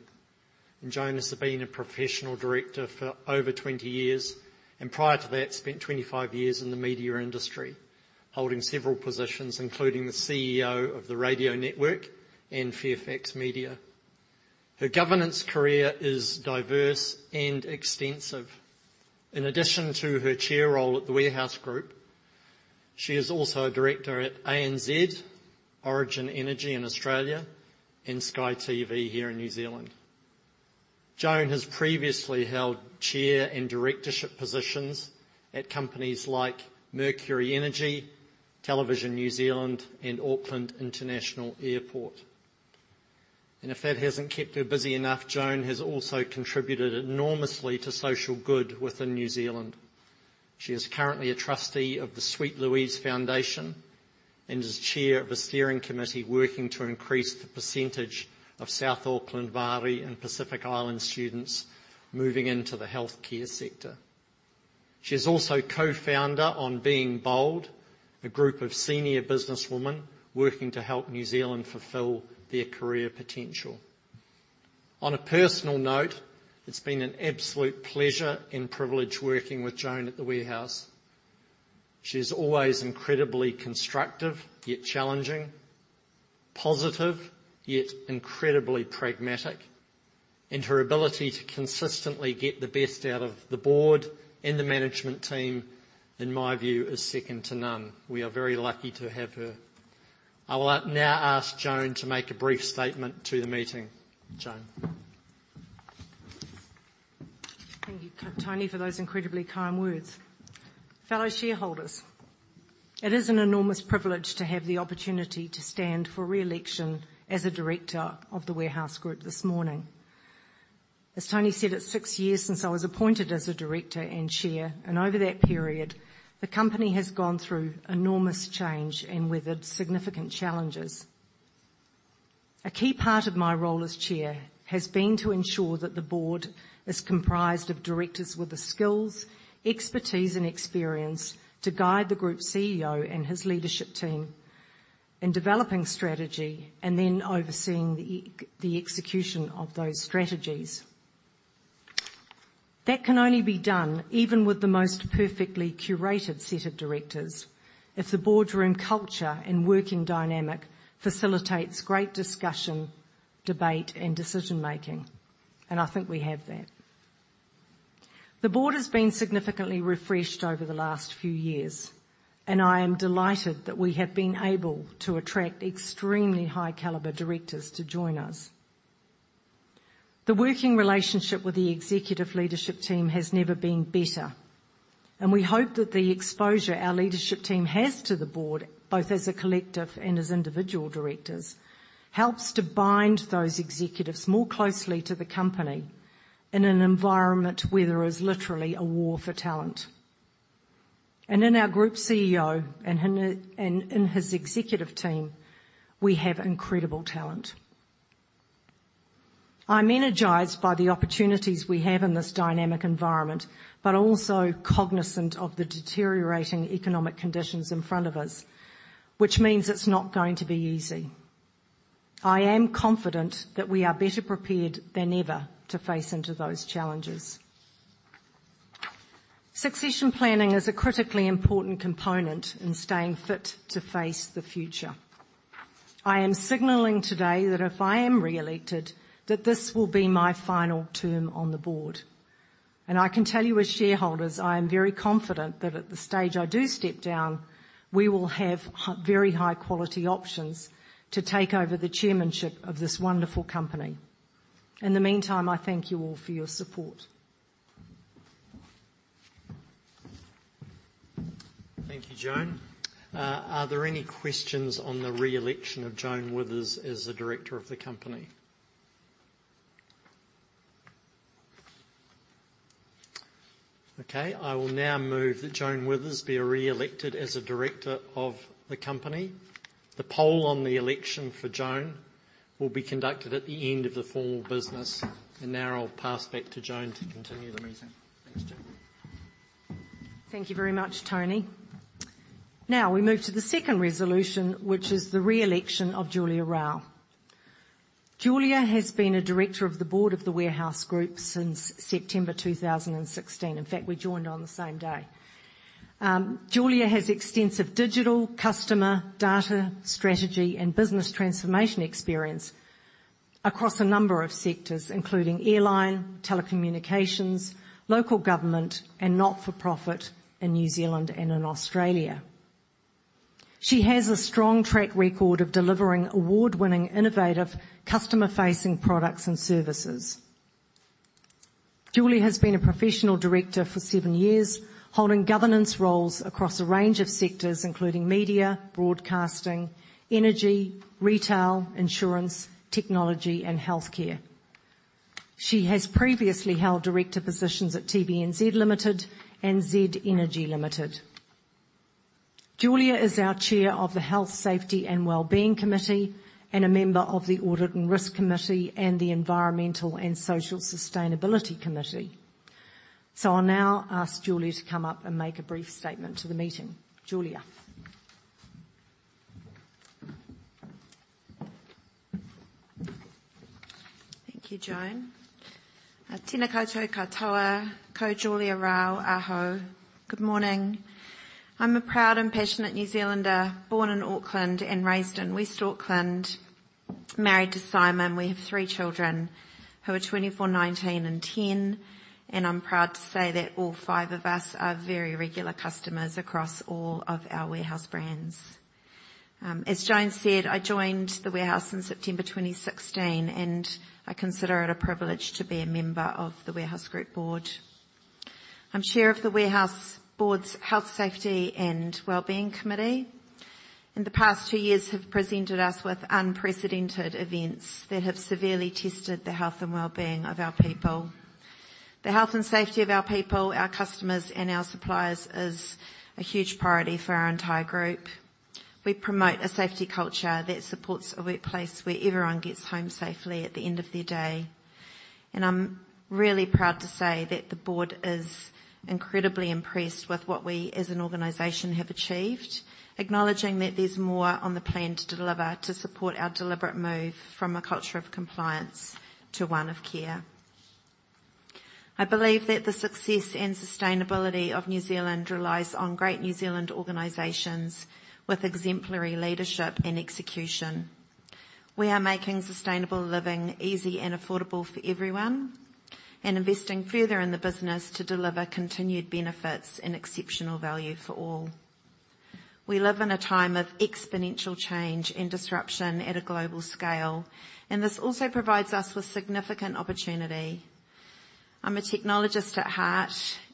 Joan has been a professional director for over 20 years, and prior to that, spent 25 years in the media industry, holding several positions, including the CEO of The Radio Network and Fairfax Media. Her governance career is diverse and extensive. In addition to her chair role at The Warehouse Group, she is also a director at ANZ, Origin Energy in Australia, and Sky TV here in New Zealand. Joan has previously held chair and directorship positions at companies like Mercury NZ, Television New Zealand, and Auckland International Airport. If that hasn't kept her busy enough, Joan has also contributed enormously to social good within New Zealand. She is currently a trustee of the Sweet Louise Foundation and is chair of a steering committee working to increase the percentage of South Auckland Māori and Pacific Island students moving into the healthcare sector. She is also co-founder On Being Bold, a group of senior businesswomen working to help New Zealand fulfill their career potential. On a personal note, it's been an absolute pleasure and privilege working with Joan at The Warehouse. She's always incredibly constructive, yet challenging, positive, yet incredibly pragmatic. Her ability to consistently get the best out of the board and the management team, in my view, is second to none. We are very lucky to have her. I will now ask Joan to make a brief statement to the meeting. Joan. Thank you, Tony, for those incredibly kind words. Fellow shareholders, it is an enormous privilege to have the opportunity to stand for re-election as a Director of The Warehouse Group this morning. As Tony said, it's six years since I was appointed as a Director and Chair. Over that period, the company has gone through enormous change and weathered significant challenges. A key part of my role as Chair has been to ensure that the Board is comprised of Directors with the skills, expertise, and experience to guide the Group CEO and his leadership team in developing strategy and then overseeing the execution of those strategies. That can only be done even with the most perfectly curated set of Directors if the boardroom culture and working dynamic facilitates great discussion, debate, and decision-making. I think we have that. The board has been significantly refreshed over the last few years, and I am delighted that we have been able to attract extremely high caliber directors to join us. The working relationship with the executive leadership team has never been better, and we hope that the exposure our leadership team has to the board, both as a collective and as individual directors, helps to bind those executives more closely to the company in an environment where there is literally a war for talent. In our group CEO and in his executive team, we have incredible talent. I'm energized by the opportunities we have in this dynamic environment, but also cognizant of the deteriorating economic conditions in front of us, which means it's not going to be easy. I am confident that we are better prepared than ever to face into those challenges. Succession planning is a critically important component in staying fit to face the future. I am signaling today that if I am re-elected, that this will be my final term on the board, and I can tell you as shareholders, I am very confident that at the stage I do step down, we will have very high quality options to take over the chairmanship of this wonderful company. In the meantime, I thank you all for your support. Thank you, Joan. Are there any questions on the re-election of Joan Withers as a director of the company? Okay, I will now move that Joan Withers be re-elected as a director of the company. The poll on the election for Joan will be conducted at the end of the formal business. Now I'll pass back to Joan to continue the meeting. Thanks, Joan. Thank you very much, Tony. We move to the second resolution, which is the re-election of Julia Raue. Julia has been a Director of the board of The Warehouse Group since September 2016. In fact, we joined on the same day. Julia has extensive digital customer data strategy and business transformation experience across a number of sectors, including airline, telecommunications, local government, and not-for-profit in New Zealand and in Australia. She has a strong track record of delivering award-winning, innovative, customer-facing products and services. Julia has been a professional Director for seven years, holding governance roles across a range of sectors including media, broadcasting, energy, retail, insurance, technology, and healthcare. She has previously held Director positions at Television New Zealand Limited and Z Energy Limited. Julia is our chair of the Health, Safety and Wellbeing Committee, and a member of the Audit and Risk Committee and the Environmental and Social Sustainability Committee. I'll now ask Julia to come up and make a brief statement to the meeting. Julia. Thank you, Joan. Good morning. I'm a proud and passionate New Zealander, born in Auckland and raised in West Auckland. Married to Simon. We have three children who are 24, 19, and 10, and I'm proud to say that all five of us are very regular customers across all of our Warehouse brands. As Joan said, I joined The Warehouse in September 2016, and I consider it a privilege to be a member of The Warehouse Group board. I'm Chair of The Warehouse board's Health, Safety and Wellbeing Committee, and the past two years have presented us with unprecedented events that have severely tested the health and wellbeing of our people. The health and safety of our people, our customers, and our suppliers is a huge priority for our entire group. We promote a safety culture that supports a workplace where everyone gets home safely at the end of their day. I'm really proud to say that the board is incredibly impressed with what we, as an organization, have achieved, acknowledging that there's more on the plan to deliver to support our deliberate move from a culture of compliance to one of care. I believe that the success and sustainability of New Zealand relies on great New Zealand organizations with exemplary leadership and execution. We are making sustainable living easy and affordable for everyone and investing further in the business to deliver continued benefits and exceptional value for all. We live in a time of exponential change and disruption at a global scale, this also provides us with significant opportunity. I'm a technologist at heart, and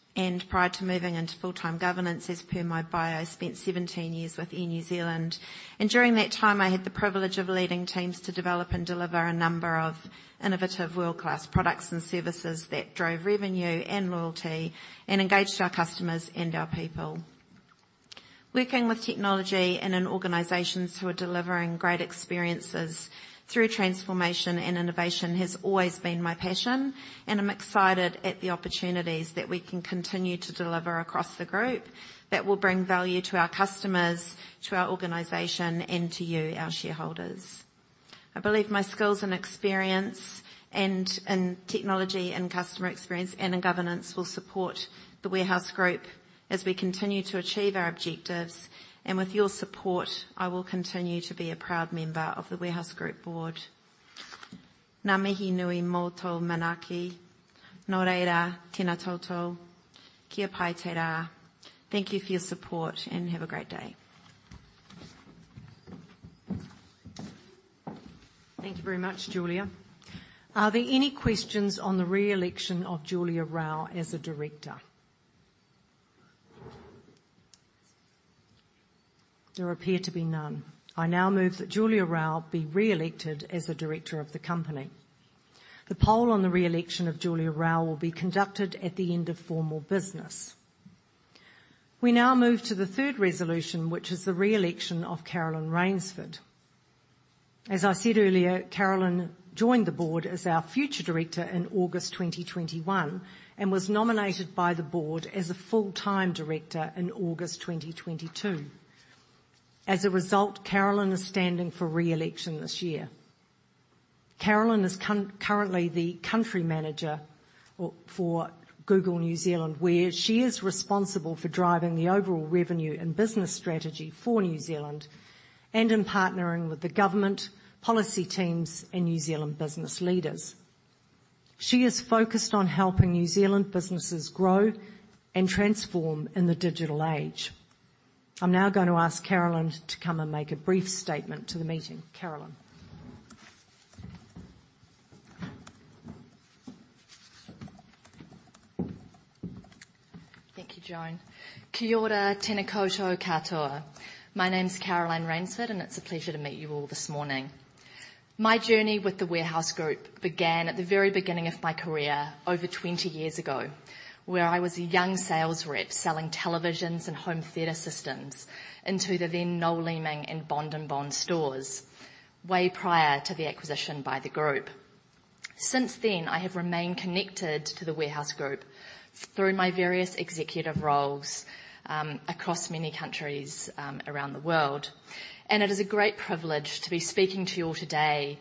prior to moving into full-time governance as per my bio, I spent 17 years with Air New Zealand. During that time, I had the privilege of leading teams to develop and deliver a number of innovative world-class products and services that drove revenue and loyalty and engaged our customers and our people. Working with technology and in organizations who are delivering great experiences through transformation and innovation has always been my passion, and I'm excited at the opportunities that we can continue to deliver across the group that will bring value to our customers, to our organization, and to you, our shareholders. I believe my skills and experience and technology and customer experience and in governance will support The Warehouse Group as we continue to achieve our objectives. With your support, I will continue to be a proud member of The Warehouse Group board. Ngā mihi nui matou manaaki. Nō reira, tēnā tautau. Kia pai te rā. Thank you for your support, and have a great day. Thank you very much, Julia. Are there any questions on the re-election of Julia Raue as a director? There appear to be none. I now move that Julia Raue be re-elected as a director of the company. The poll on the re-election of Julia Raue will be conducted at the end of formal business. We now move to the third resolution, which is the re-election of Caroline Rainsford. As I said earlier, Caroline joined the Board as our Future Director in August 2021 and was nominated by the Board as a full-time director in August 2022. As a result, Caroline is standing for re-election this year. Caroline is currently the country manager for Google New Zealand, where she is responsible for driving the overall revenue and business strategy for New Zealand and in partnering with the government, policy teams, and New Zealand business leaders. She is focused on helping New Zealand businesses grow and transform in the digital age. I'm now gonna ask Caroline to come and make a brief statement to the meeting. Caroline. Thank you, Joan. Kia ora. Tena koutou katoa. My name's Caroline Rainsford, and it's a pleasure to meet you all this morning. My journey with The Warehouse Group began at the very beginning of my career over 20 years ago, where I was a young sales rep selling televisions and home theater systems into the then Noel Leeming and Bond and Bond stores way prior to the acquisition by the group. Since then, I have remained connected to The Warehouse Group through my various executive roles, across many countries, around the world. It is a great privilege to be speaking to you all today,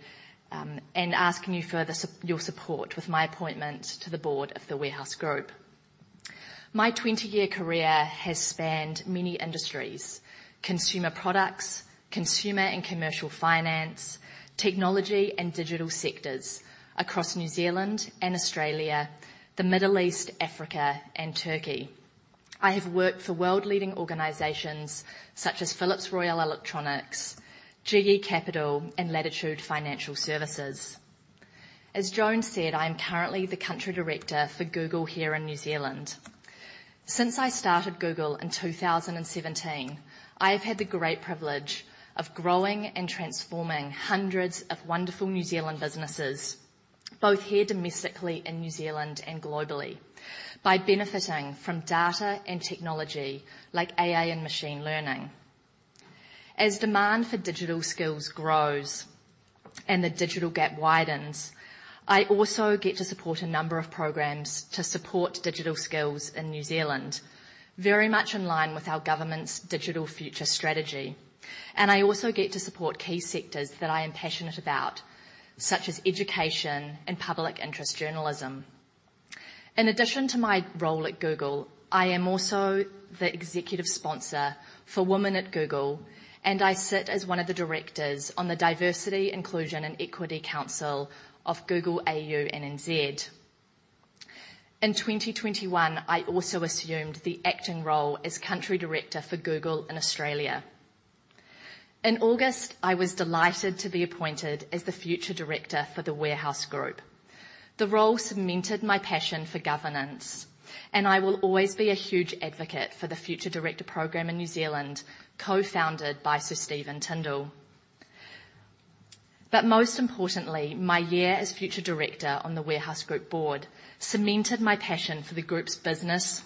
and asking you further your support with my appointment to the board of The Warehouse Group. My 20-year career has spanned many industries, consumer products, consumer and commercial finance, technology and digital sectors across New Zealand and Australia, the Middle East, Africa, and Turkey. I have worked for world-leading organizations such as Philips Royal Electronics, GE Capital, and Latitude Financial Services. As Joan said, I am currently the country director for Google here in New Zealand. Since I started Google in 2017, I have had the great privilege of growing and transforming hundreds of wonderful New Zealand businesses, both here domestically in New Zealand and globally, by benefiting from data and technology like AI and machine learning. As demand for digital skills grows and the digital gap widens, I also get to support a number of programs to support digital skills in New Zealand, very much in line with our government's digital future strategy. I also get to support key sectors that I am passionate about, such as education and public interest journalism. In addition to my role at Google, I am also the executive sponsor for Women@Google, and I sit as one of the directors on the Diversity, Inclusion, and Equity Council of Google AU and NZ. In 2021, I also assumed the acting role as Country Director for Google in Australia. In August, I was delighted to be appointed as the future director for The Warehouse Group. The role cemented my passion for governance, and I will always be a huge advocate for the Future Directors Program in New Zealand, co-founded by Sir Stephen Tindall. Most importantly, my year as future director on The Warehouse Group board cemented my passion for the group's business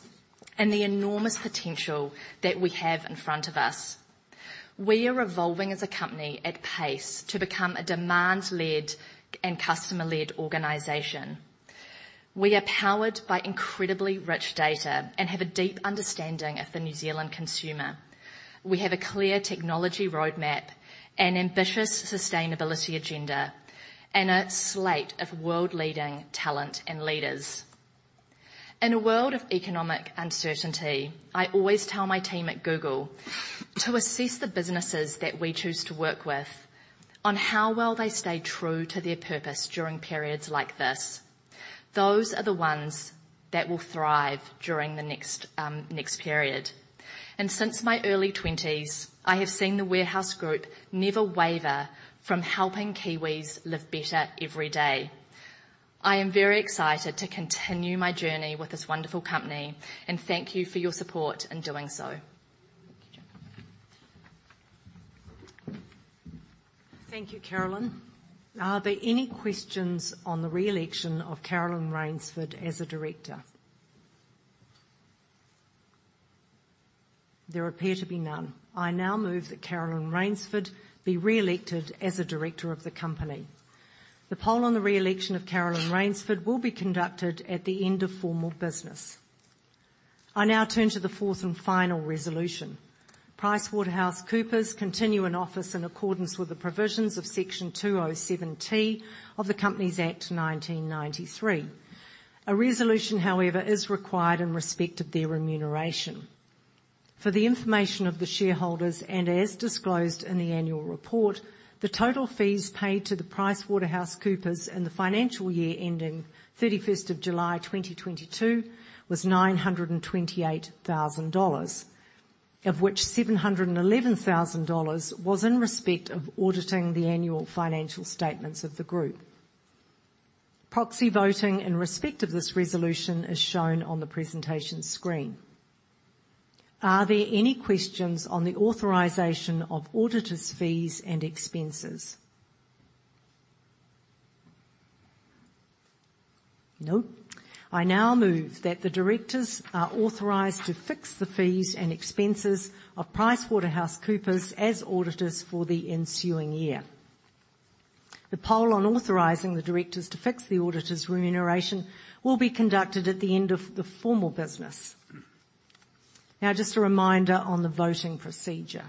and the enormous potential that we have in front of us. We are evolving as a company at pace to become a demand-led and customer-led organization. We are powered by incredibly rich data and have a deep understanding of the New Zealand consumer. We have a clear technology roadmap, an ambitious sustainability agenda, and a slate of world-leading talent and leaders. In a world of economic uncertainty, I always tell my team at Google to assess the businesses that we choose to work with on how well they stay true to their purpose during periods like this. Those are the ones that will thrive during the next period. Since my early twenties, I have seen The Warehouse Group never waver from helping Kiwis live better every day. I am very excited to continue my journey with this wonderful company and thank you for your support in doing so. Thank you, Caroline. Are there any questions on the re-election of Caroline Rainsford as a director? There appear to be none. I now move that Caroline Rainsford be re-elected as a director of the company. The poll on the re-election of Caroline Rainsford will be conducted at the end of formal business. I now turn to the fourth and final resolution. PricewaterhouseCoopers continue in office in accordance with the provisions of Section 207T of the Companies Act 1993. A resolution, however, is required in respect of their remuneration. For the information of the shareholders and as disclosed in the annual report, the total fees paid to the PricewaterhouseCoopers in the financial year-ending 31st of July 2022 was 928,000 dollars, of which 711,000 dollars was in respect of auditing the annual financial statements of the group. Proxy voting in respect of this resolution is shown on the presentation screen. Are there any questions on the authorization of auditors' fees and expenses? No. I now move that the directors are authorized to fix the fees and expenses of PricewaterhouseCoopers as auditors for the ensuing year. The poll on authorizing the directors to fix the auditors' remuneration will be conducted at the end of the formal business. Now just a reminder on the voting procedure.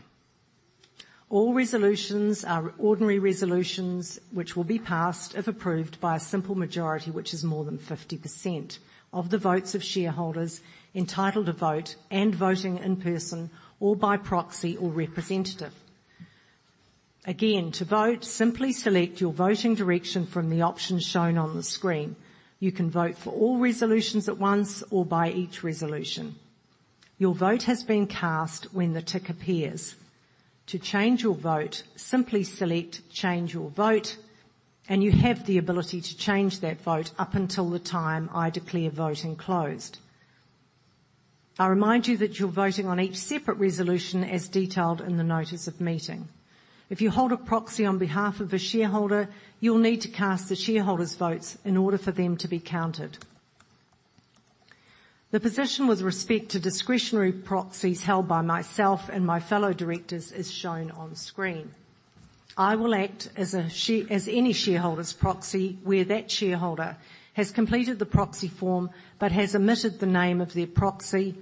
All resolutions are ordinary resolutions which will be passed, if approved, by a simple majority, which is more than 50% of the votes of shareholders entitled to vote and voting in person or by proxy or representative. Again, to vote, simply select your voting direction from the options shown on the screen. You can vote for all resolutions at once or by each resolution. Your vote has been cast when the tick appears. To change your vote, simply select "Change your vote," and you have the ability to change that vote up until the time I declare voting closed. I remind you that you're voting on each separate resolution as detailed in the notice of meeting. If you hold a proxy on behalf of a shareholder, you will need to cast the shareholder's votes in order for them to be counted. The position with respect to discretionary proxies held by myself and my fellow directors is shown on screen. I will act as any shareholder's proxy, where that shareholder has completed the proxy form but has omitted the name of their proxy,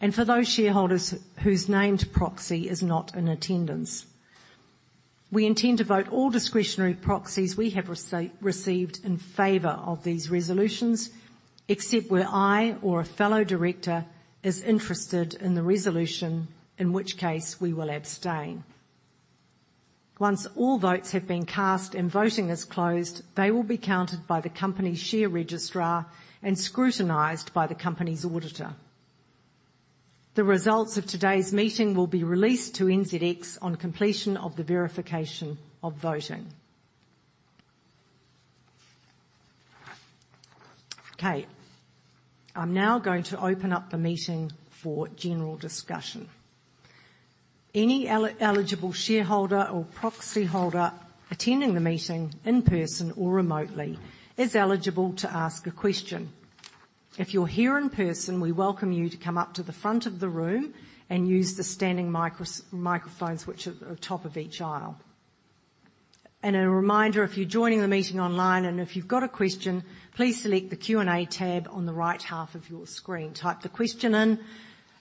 and for those shareholders whose named proxy is not in attendance. We intend to vote all discretionary proxies we have received in favor of these resolutions, except where I or a fellow director is interested in the resolution, in which case we will abstain. Once all votes have been cast and voting is closed, they will be counted by the company share registrar and scrutinized by the company's auditor. The results of today's meeting will be released to NZX on completion of the verification of voting. Okay. I'm now going to open up the meeting for general discussion. Any eligible shareholder or proxyholder attending the meeting in person or remotely is eligible to ask a question. If you're here in person, we welcome you to come up to the front of the room and use the standing microphones which are at the top of each aisle. A reminder, if you're joining the meeting online and if you've got a question, please select the Q&A tab on the right half of your screen. Type the question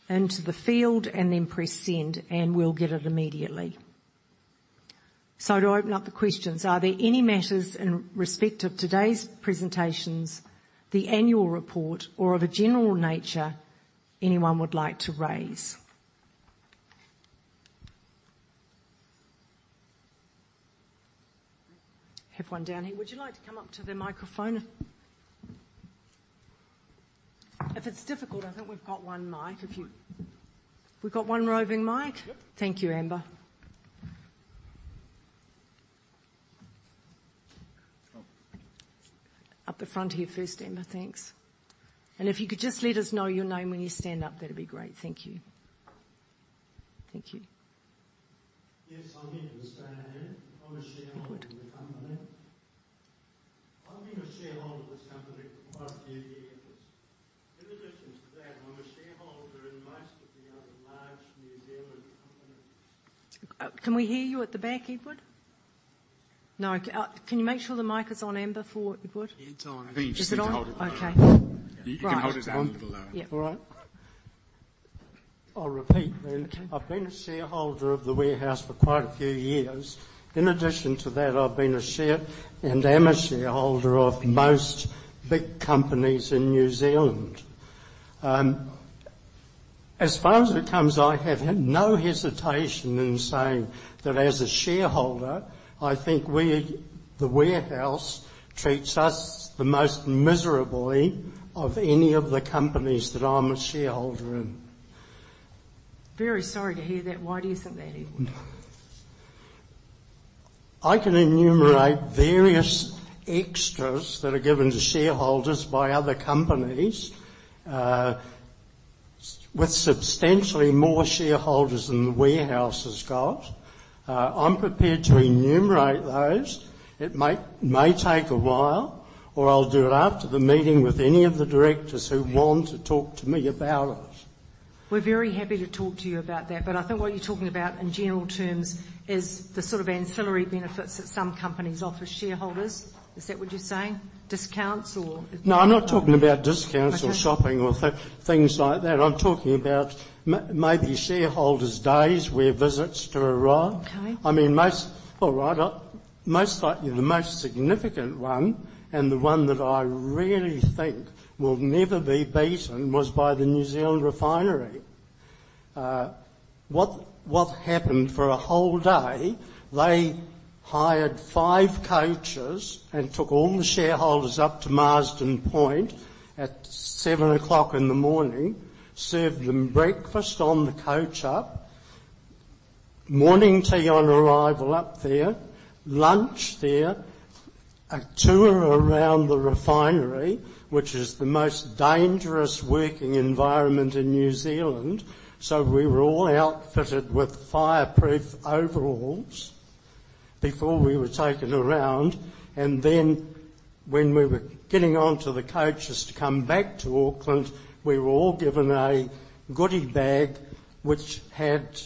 into the field, and then press Send, and we'll get it immediately. To open up the questions, are there any matters in respect of today's presentations, the annual report, or of a general nature anyone would like to raise? Have one down here. Would you like to come up to the microphone? If it's difficult, I think we've got one mic. We've got one roving mic? Yep. Thank you, Amber. Up. Up the front here first, Amber Thanks. If you could just let us know your name when you stand up, that'd be great. Thank you. Thank you. Yes, I'm Edward Stanhope. I'm a shareholder in the company. I've been a shareholder of this company for quite a few years. In addition to that, I'm a shareholder in most of the other large New Zealand companies. Can we hear you at the back, Edward? No. Can you make sure the mic is on, Amber, for Edward? It's on. Is it on? I think you just need to hold it lower. Okay. Right. You can hold it down a little lower. Yep. All right. I'll repeat then. Okay. I've been a shareholder of The Warehouse for quite a few years. In addition to that, I've been and am a shareholder of most big companies in New Zealand. As far as it comes, I have had no hesitation in saying that as a shareholder, I think The Warehouse treats us the most miserably of any of the companies that I'm a shareholder in. Very sorry to hear that. Why do you think that is? I can enumerate various extras that are given to shareholders by other companies, with substantially more shareholders than The Warehouse has got. I'm prepared to enumerate those. It may take a while, or I'll do it after the meeting with any of the directors who want to talk to me about it. We're very happy to talk to you about that, but I think what you're talking about in general terms is the sort of ancillary benefits that some companies offer shareholders. Is that what you're saying? Discounts or No, I'm not talking about discounts. Okay. or shopping or things like that. I'm talking about maybe shareholders' days where visits to arrive. Okay. I mean, most likely, the most significant one, and the one that I really think will never be beaten, was by the New Zealand Refinery. What happened, for a whole day, they hired five coaches and took all the shareholders up to Marsden Point at 7:00 A.M. in the morning, served them breakfast on the coach up, morning tea on arrival up there, lunch there, a tour around the refinery, which is the most dangerous working environment in New Zealand. We were all outfitted with fireproof overalls before we were taken around. When we were getting onto the coaches to come back to Auckland, we were all given a goodie bag which had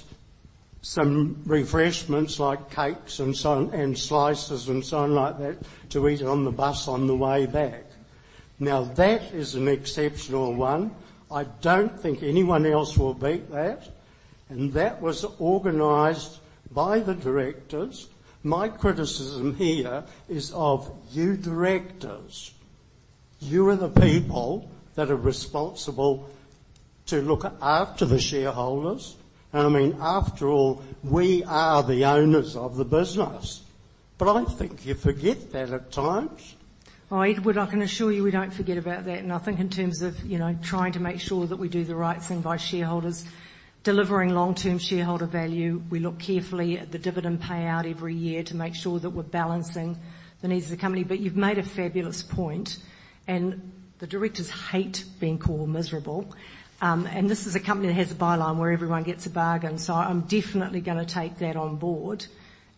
some refreshments like cakes and slices, and so on like that to eat on the bus on the way back. That is an exceptional one. I don't think anyone else will beat that, and that was organized by the directors. My criticism here is of you directors. You are the people that are responsible to look after the shareholders. I mean, after all, we are the owners of the business. I think you forget that at times. Oh, Edward, I can assure you we don't forget about that. I think in terms of, you know, trying to make sure that we do the right thing by shareholders, delivering long-term shareholder value, we look carefully at the dividend payout every year to make sure that we're balancing the needs of the company. You've made a fabulous point, and the directors hate being called miserable. This is a company that has a byline where everyone gets a bargain. I'm definitely gonna take that on board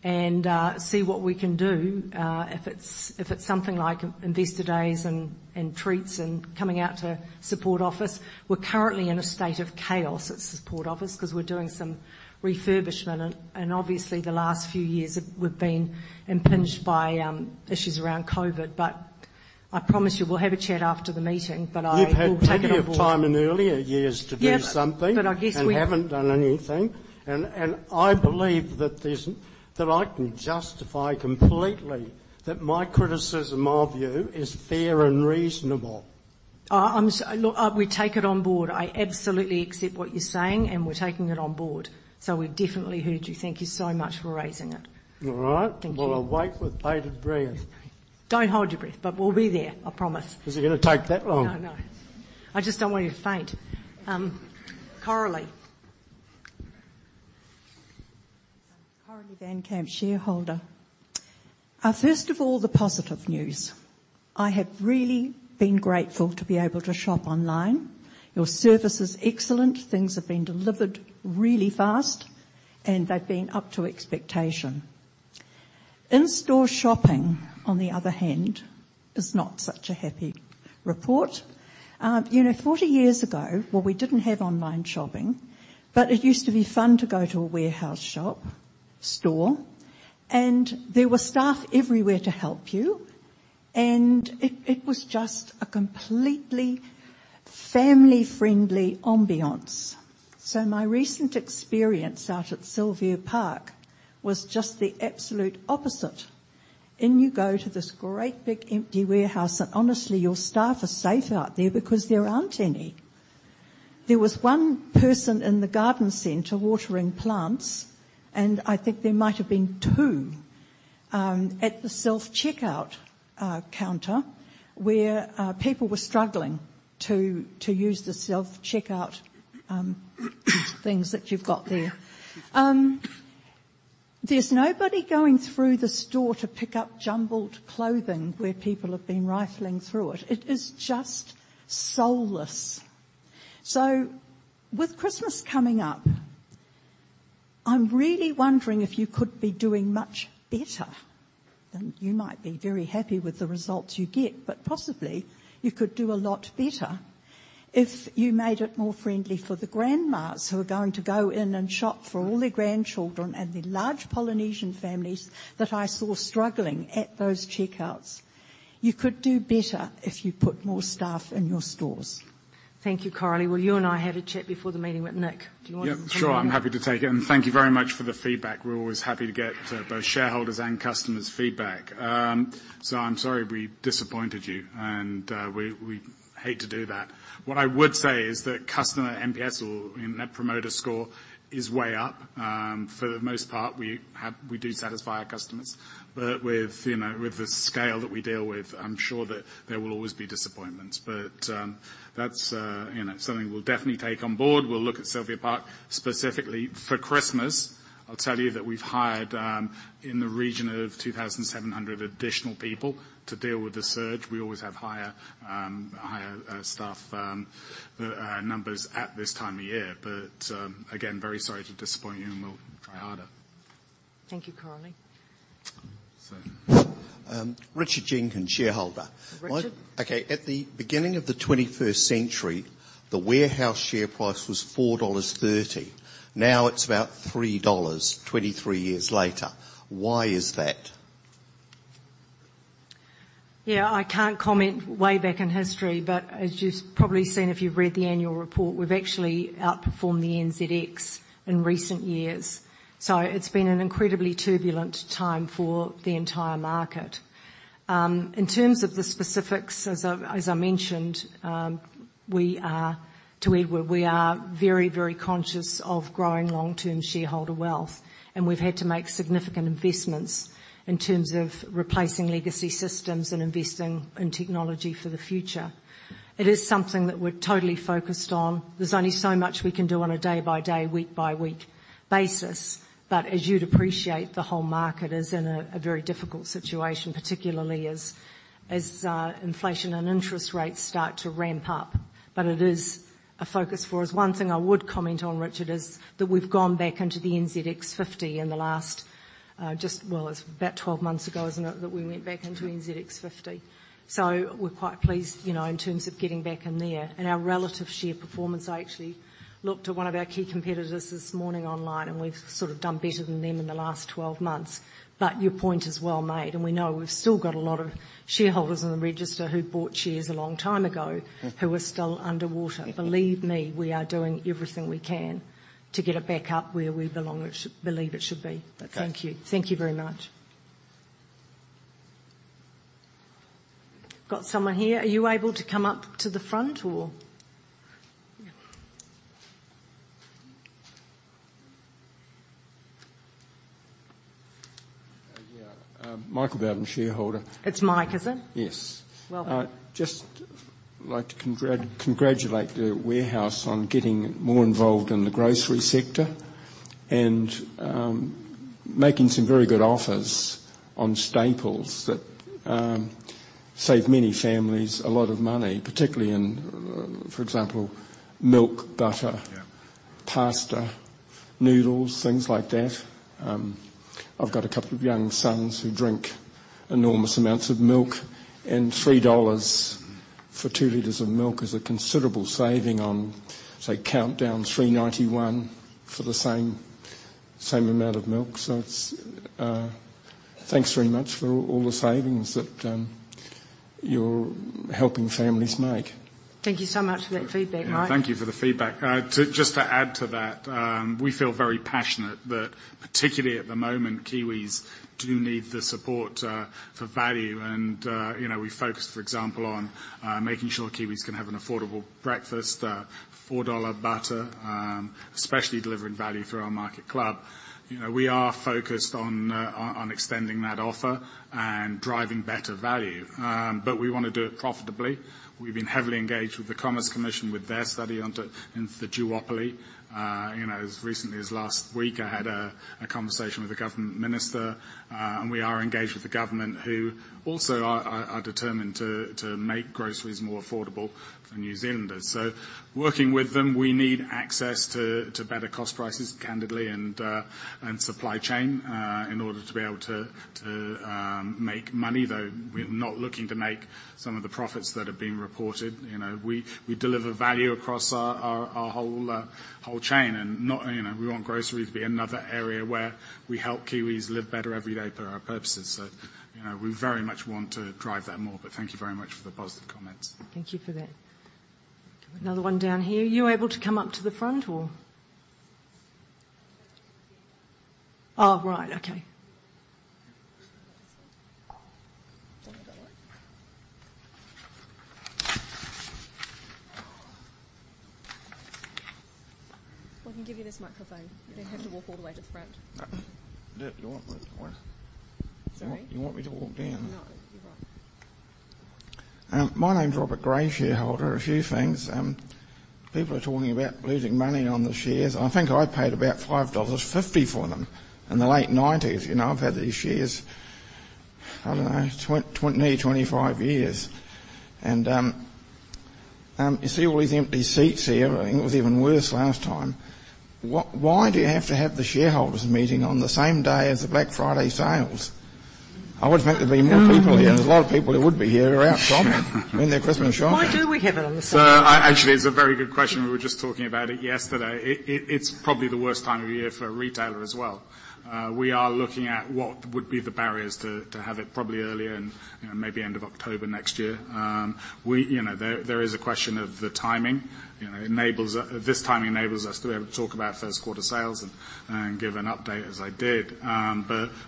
and see what we can do, if it's, if it's something like investor days and treats and coming out to support office. We're currently in a state of chaos at support office 'cause we're doing some refurbishment and obviously the last few years we've been impinged by issues around COVID-19. I promise you, we'll have a chat after the meeting. You've had plenty of time in earlier years to do something Yeah, I guess. haven't done anything. I believe that I can justify completely that my criticism, my view, is fair and reasonable. Look, we take it on board. I absolutely accept what you're saying, and we're taking it on board. We've definitely heard you. Thank you so much for raising it. All right. Thank you. Well, I'll wait with bated breath. Don't hold your breath, we'll be there, I promise. Is it gonna take that long? No, no. I just don't want you to faint. Coralie. First of all, the positive news: I have really been grateful to be able to shop online. Your service is excellent. Things have been delivered really fast, and they've been up to expectation. In-store shopping, on the other hand, is not such a happy report. You know, 40 years ago, well, we didn't have online shopping, but it used to be fun to go to a warehouse shop, store, and there were staff everywhere to help you, and it was just a completely family-friendly ambiance. My recent experience out at Sylvia Park was just the absolute opposite. In you go to this great big empty warehouse, and honestly, your staff are safe out there because there aren't any There was one person in the garden center watering plants, and I think there might have been two at the self-checkout counter where people were struggling to use the self-checkout things that you've got there. There's nobody going through the store to pick up jumbled clothing where people have been rifling through it. It is just soulless. With Christmas coming up, I'm really wondering if you could be doing much better. You might be very happy with the results you get, but possibly you could do a lot better if you made it more friendly for the grandmas who are going to go in and shop for all their grandchildren and the large Polynesian families that I saw struggling at those checkouts. You could do better if you put more staff in your stores. Thank you, Carly. Well, you and I had a chat before the meeting with Nick. Do you want to say anything? Yeah, sure. I'm happy to take it. Thank you very much for the feedback. We're always happy to get both shareholders' and customers' feedback. I'm sorry we disappointed you, and we hate to do that. What I would say is that customer NPS or, you know, Net Promoter Score is way up. For the most part, we do satisfy our customers. With, you know, with the scale that we deal with, I'm sure that there will always be disappointments. That's, you know, something we'll definitely take on board. We'll look at Sylvia Park specifically for Christmas. I'll tell you that we've hired in the region of 2,700 additional people to deal with the surge. We always have higher staff numbers at this time of year. Again, very sorry to disappoint you, and we'll try harder. Thank you, Carly. Sir. Richard Jenkins, shareholder. Richard. Okay. At the beginning of the 21st century, The Warehouse share price was 4.30 dollars. Now it's about 3.00 dollars 23 years later. Why is that? Yeah, I can't comment way back in history, as you've probably seen if you've read the annual report, we've actually outperformed the NZX in recent years. It's been an incredibly turbulent time for the entire market. In terms of the specifics, as I mentioned, we are, to Edward, we are very, very conscious of growing long-term shareholder wealth, and we've had to make significant investments in terms of replacing legacy systems and investing in technology for the future. It is something that we're totally focused on. There's only so much we can do on a day-by-day, week-by-week basis. As you'd appreciate, the whole market is in a very difficult situation, particularly as inflation and interest rates start to ramp up. It is a focus for us. One thing I would comment on, Richard, is that we've gone back into the NZX50 in the last, just, well, it's about 12 months ago, isn't it, that we went back into NZX50. We're quite pleased, you know, in terms of getting back in there. Our relative share performance, I actually looked at one of our key competitors this morning online, and we've sort of done better than them in the last 12 months. Your point is well made, and we know we've still got a lot of shareholders on the register who bought shares a long time ago. Mm. who are still underwater. Believe me, we are doing everything we can to get it back up where we belong believe it should be. Okay. Thank you. Thank you very much. Got someone here. Are you able to come up to the front or? Yeah. Michael Bowden, shareholder. It's Mike, is it? Yes. Welcome. Just like to congratulate The Warehouse on getting more involved in the grocery sector and making some very good offers on staples that save many families a lot of money, particularly in, for example, milk. Yeah. pasta, noodles, things like that. I've got a couple of young sons who drink enormous amounts of milk. 3 dollars for two liters of milk is a considerable saving on, say, Countdown 3.91 for the same amount of milk. It's thanks very much for all the savings that you're helping families make. Thank you so much for that feedback, Mike. Thank you for the feedback. To, just to add to that, we feel very passionate that particularly at the moment, Kiwis do need the support for value and, you know, we focus, for example, on making sure Kiwis can have an affordable breakfast, 4 dollar butter, especially delivering value through our MarketClub. You know, we are focused on extending that offer and driving better value. We wanna do it profitably. We've been heavily engaged with the Commerce Commission with their study into the duopoly. You know, as recently as last week, I had a conversation with the government minister. We are engaged with the government who also are determined to make groceries more affordable for New Zealanders. Working with them, we need access to better cost prices, candidly, and supply chain in order to be able to make money, though we're not looking to make some of the profits that have been reported. You know, we deliver value across our whole chain. Not, you know, we want groceries to be another area where we help Kiwis live better every day per our purposes. You know, we very much want to drive that more, but thank you very much for the positive comments. Thank you for that. Another one down here. Are you able to come up to the front or? Oh, right. Okay. We can give you this microphone. You don't have to walk all the way to the front. Do you want me to walk- Sorry? You want me to walk down? No, you're right. My name's Robert Gray, shareholder. A few things, people are talking about losing money on the shares. I think I paid about 5.50 dollars for them in the late 1990s. You know, I've had these shares, I don't know, near 25 years. You see all these empty seats here. It was even worse last time. Why, why do you have to have the shareholders meeting on the same day as the Black Friday sales? I would have expected there'd be more people here. There's a lot of people who would be here are out shopping. Doing their Christmas shopping. Why do we have it on the same? Actually, it's a very good question. We were just talking about it yesterday. It's probably the worst time of year for a retailer as well. We are looking at what would be the barriers to have it probably earlier and, you know, maybe end of October next year. We, you know, there is a question of the timing. You know, This timing enables us to be able to talk about first quarter sales and give an update as I did.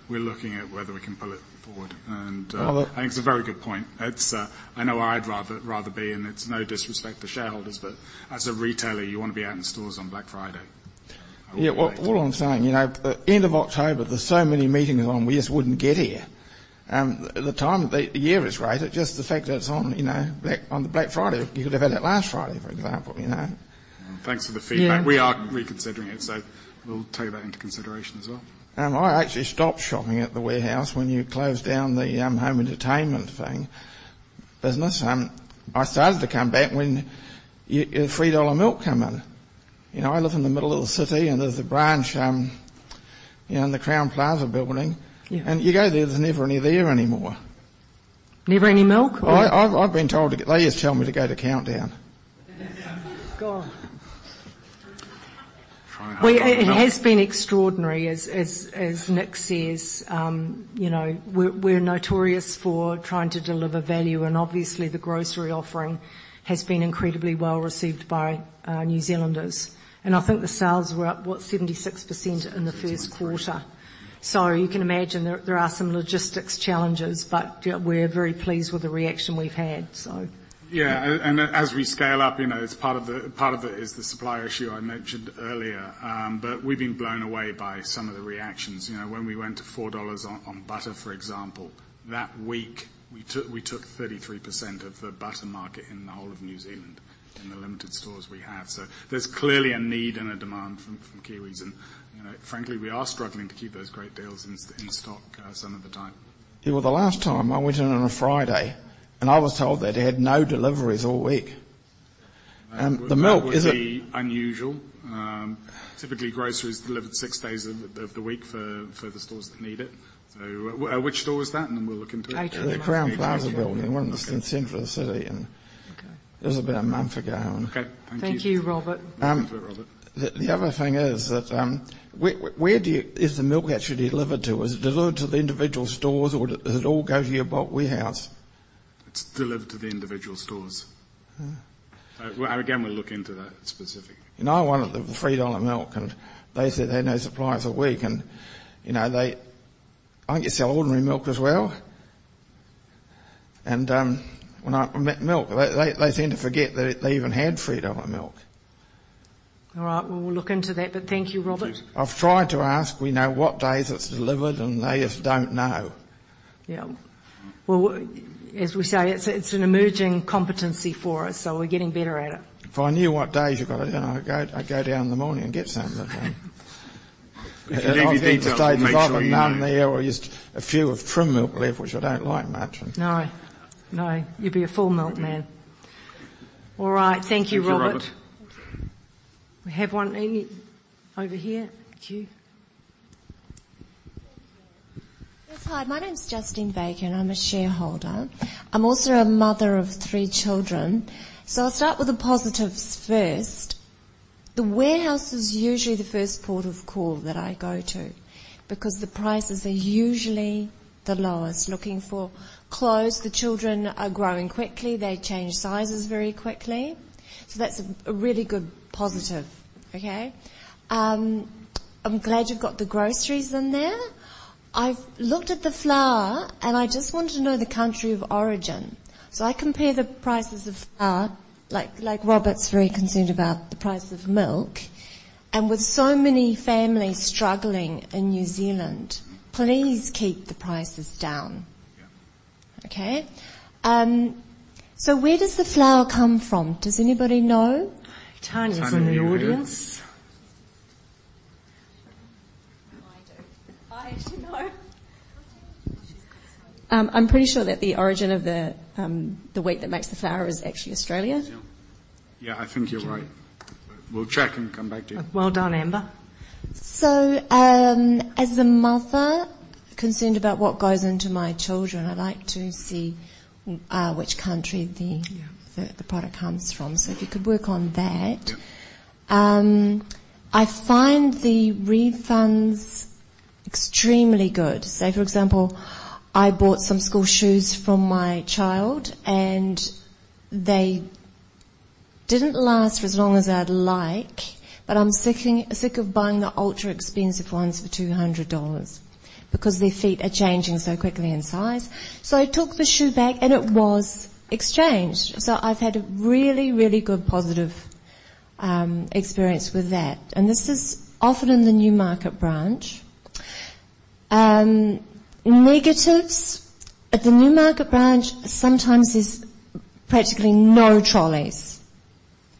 We're looking at whether we can pull it forward and. Well. I think it's a very good point. It's, I know I'd rather be, and it's no disrespect to shareholders, but as a retailer, you wanna be out in stores on Black Friday. Yeah, well, all I'm saying, you know, end of October, there's so many meetings on, we just wouldn't get here. The time of the year is great. It's just the fact that it's on, you know, Black Friday. You could have had it last Friday, for example, you know. Thanks for the feedback. Yeah. We are reconsidering it, so we'll take that into consideration as well. I actually stopped shopping at The Warehouse when you closed down the, home entertainment thing, business. I started to come back when your NZD 3 milk come in. You know, I live in the middle of the city, and there's a branch, you know, in the Crowne Plaza building. Yeah. You go there's never any there anymore. Never any milk? I've been told. They just tell me to go to Countdown. God. Trying to help. It has been extraordinary, as Nick says. You know, we're notorious for trying to deliver value, obviously the grocery offering has been incredibly well-received by New Zealanders. I think the sales were up, what? 76% in the first quarter. 76%. You can imagine there are some logistics challenges, but yeah, we're very pleased with the reaction we've had. Yeah. As we scale up, you know, it's part of it is the supply issue I mentioned earlier. We've been blown away by some of the reactions. You know, when we went to 4 dollars on butter, for example, that week, we took 33% of the butter market in the whole of New Zealand in the limited stores we have. There's clearly a need and a demand from Kiwis. You know, frankly, we are struggling to keep those great deals in stock, some of the time. Yeah, well, the last time I went in on a Friday, and I was told that they had no deliveries all week. The milk. That would be unusual. Typically, groceries delivered six days of the week for the stores that need it. Which store was that? Then we'll look into it. 18. The Crowne Plaza building. Okay. The one that's in the center of the city and Okay. It was about a month ago. Okay. Thank you. Thank you, Robert. Thanks for it, Robert. The other thing is that, where is the milk actually delivered to? Is it delivered to the individual stores, or does it all go to your bulk warehouse? It's delivered to the individual stores. Oh. Again, we'll look into that specific. I wanted the 3 dollar milk, and they said they had no supplies all week, and you know. I think you sell ordinary milk as well. When milk, they seemed to forget that they even had NZD 3 milk. All right. Well, we'll look into that, but thank you, Robert. Thank you. I've tried to ask, you know, what days it's delivered, and they just don't know. Well, as we say, it's an emerging competency for us, so we're getting better at it. If I knew what days you got it, then I'd go down in the morning and get some, but. We can definitely do something to make sure you. Often none there or just a few of trim milk left, which I don't like much. No. No. You'd be a full milk man. All right. Thank you, Robert. Thank you, Robert. We have one over here. Thank you. Yes. Hi, my name's Justine Baker. I'm a shareholder. I'm also a mother of three children. I'll start with the positives first. The Warehouse is usually the first port of call that I go to because the prices are usually the lowest. Looking for clothes, the children are growing quickly. They change sizes very quickly. That's a really good positive, okay? I'm glad you've got the groceries in there. I've looked at the flour. I just want to know the country of origin. I compare the prices of flour, like Robert's very concerned about the price of milk. With so many families struggling in New Zealand, please keep the prices down. Yeah. Okay? Where does the flour come from? Does anybody know? Tania's in the audience. Tania, are you here? I do. I actually know. I'm pretty sure that the origin of the wheat that makes the flour is actually Australia. Yeah. Yeah, I think you're right. We'll check and come back to you. Well done, Amber. As a mother concerned about what goes into my children, I like to see, which country Yeah he product comes from. If you could work on that. Yeah. I find the refunds extremely good. Say, for example, I bought some school shoes for my child, and they didn't last for as long as I'd like, but I'm sick of buying the ultra-expensive ones for 200 dollars because their feet are changing so quickly in size. I took the shoe back, and it was exchanged. I've had a really, really good positive experience with that. This is often in the Newmarket branch. Negatives. At the Newmarket branch, sometimes there's practically no trolleys.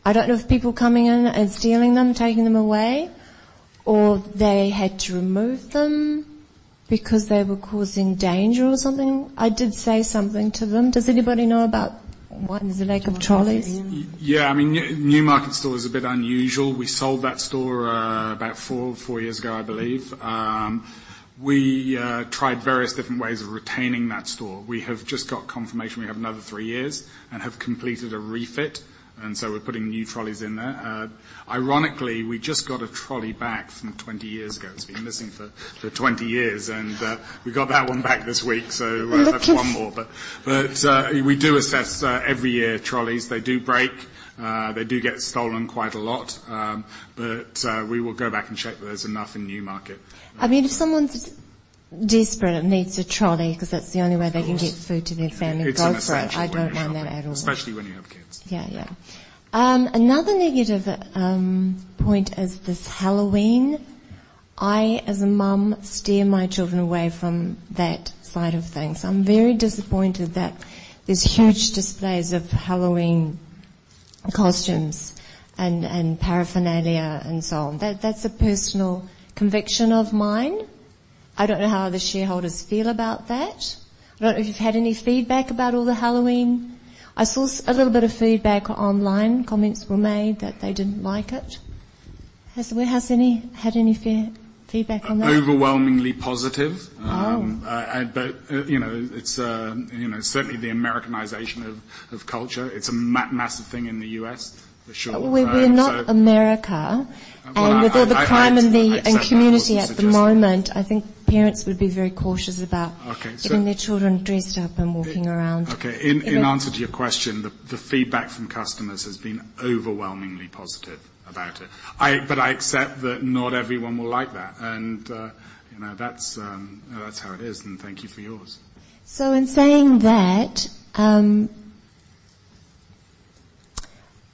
I don't know if people coming in are stealing them, taking them away, or they had to remove them because they were causing danger or something. I did say something to them. Does anybody know about why there's a lack of trolleys? Yeah, I mean, Newmarket store is a bit unusual. We sold that store, about four years ago, I believe. We tried various different ways of retaining that store. We have just got confirmation we have another three years and have completed a refit. We're putting new trolleys in there. Ironically, we just got a trolley back from 20 years ago. It's been missing for 20 years, and we got that one back this week. That's one more. We do assess every year trolleys. They do break. They do get stolen quite a lot. We will go back and check that there's enough in Newmarket. I mean, if someone's desperate and needs a trolley 'cause that's the only way they can get food to their family and go for it. It's an essential when you're shopping. I don't want that at all. Especially when you have kids. Yeah, yeah. Another negative point is this Halloween. I, as a mom, steer my children away from that side of things. I'm very disappointed that there's huge displays of Halloween costumes and paraphernalia and so on. That's a personal conviction of mine. I don't know how other shareholders feel about that. I don't know if you've had any feedback about all the Halloween. I saw a little bit of feedback online. Comments were made that they didn't like it. Has The Warehouse had any feedback on that? Overwhelmingly positive. Oh. you know, it's, you know, certainly the Americanization of culture. It's a massive thing in the US for sure. We're not America. Well, I. With all the crime in. I accept that wasn't suggested and community at the moment, I think parents would be very cautious about-. Okay. getting their children dressed up and walking around. Okay. In answer to your question, the feedback from customers has been overwhelmingly positive about it. I accept that not everyone will like that. You know, that's how it is, and thank you for yours. In saying that,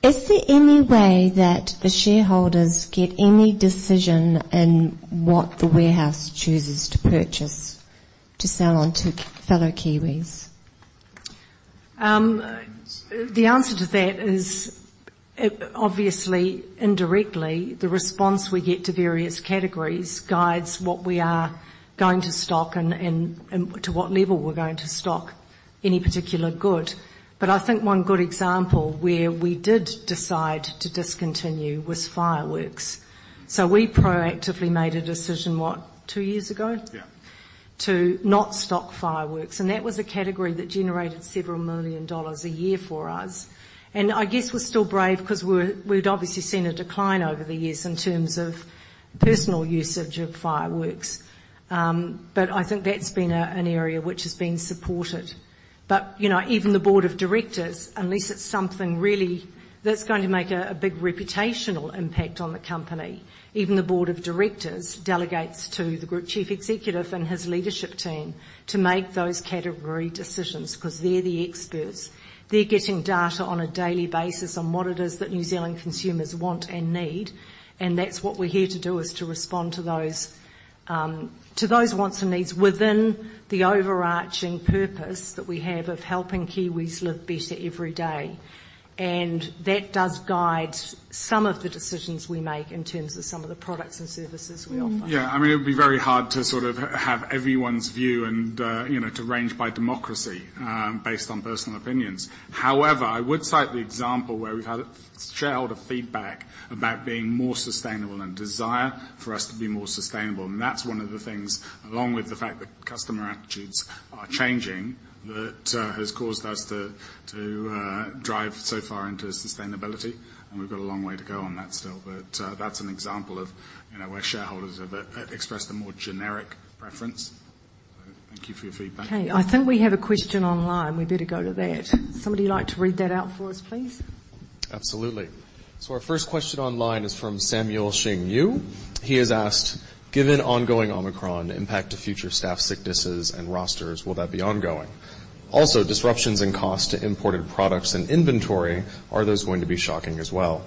is there any way that the shareholders get any decision in what the Warehouse chooses to purchase to sell on to fellow Kiwis? The answer to that is, obviously, indirectly, the response we get to various categories guides what we are going to stock and to what level we're going to stock any particular good. I think one good example where we did decide to discontinue was fireworks. We proactively made a decision, what, two years ago? Yeah. To not stock fireworks, that was a category that generated NZD several million dollars a year for us. I guess we'd obviously seen a decline over the years in terms of personal usage of fireworks. I think that's been an area which has been supported. You know, even the Board of Directors, unless it's something really that's going to make a big reputational impact on the company, even the Board of Directors delegates to the Group Chief Executive and his leadership team to make those category decisions 'cause they're the experts. They're getting data on a daily basis on what it is that New Zealand consumers want and need, and that's what we're here to do, is to respond to those to those wants and needs within the overarching purpose that we have of helping Kiwis live better every day. That does guide some of the decisions we make in terms of some of the products and services we offer. Mm-hmm. Yeah. I mean, it would be very hard to sort of have everyone's view and, you know, to range by democracy, based on personal opinions. However, I would cite the example where we've had shareholder feedback about being more sustainable and desire for us to be more sustainable, and that's one of the things, along with the fact that customer attitudes are changing, that has caused us to drive so far into sustainability, and we've got a long way to go on that still. That's an example of, you know, where shareholders have expressed a more generic preference. Thank you for your feedback. I think we have a question online. We better go to that. Somebody like to read that out for us, please? Absolutely. Our first question online is from Samuel Xing Yu. He has asked, "Given ongoing Omicron impact to future staff sicknesses and rosters, will that be ongoing? Also, disruptions in cost to imported products and inventory, are those going to be shocking as well?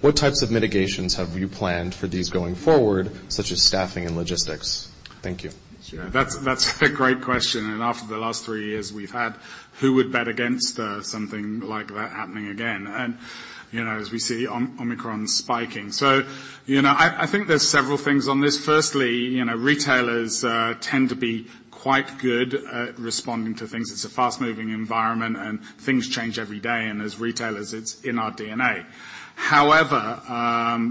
What types of mitigations have you planned for these going forward, such as staffing and logistics? Thank you. Sure. That's a great question. After the last three years we've had, who would bet against something like that happening again? You know, as we see Omicron spiking. You know, I think there's several things on this. Firstly, you know, retailers tend to be quite good at responding to things. It's a fast-moving environment, and things change every day, and as retailers, it's in our DNA. However,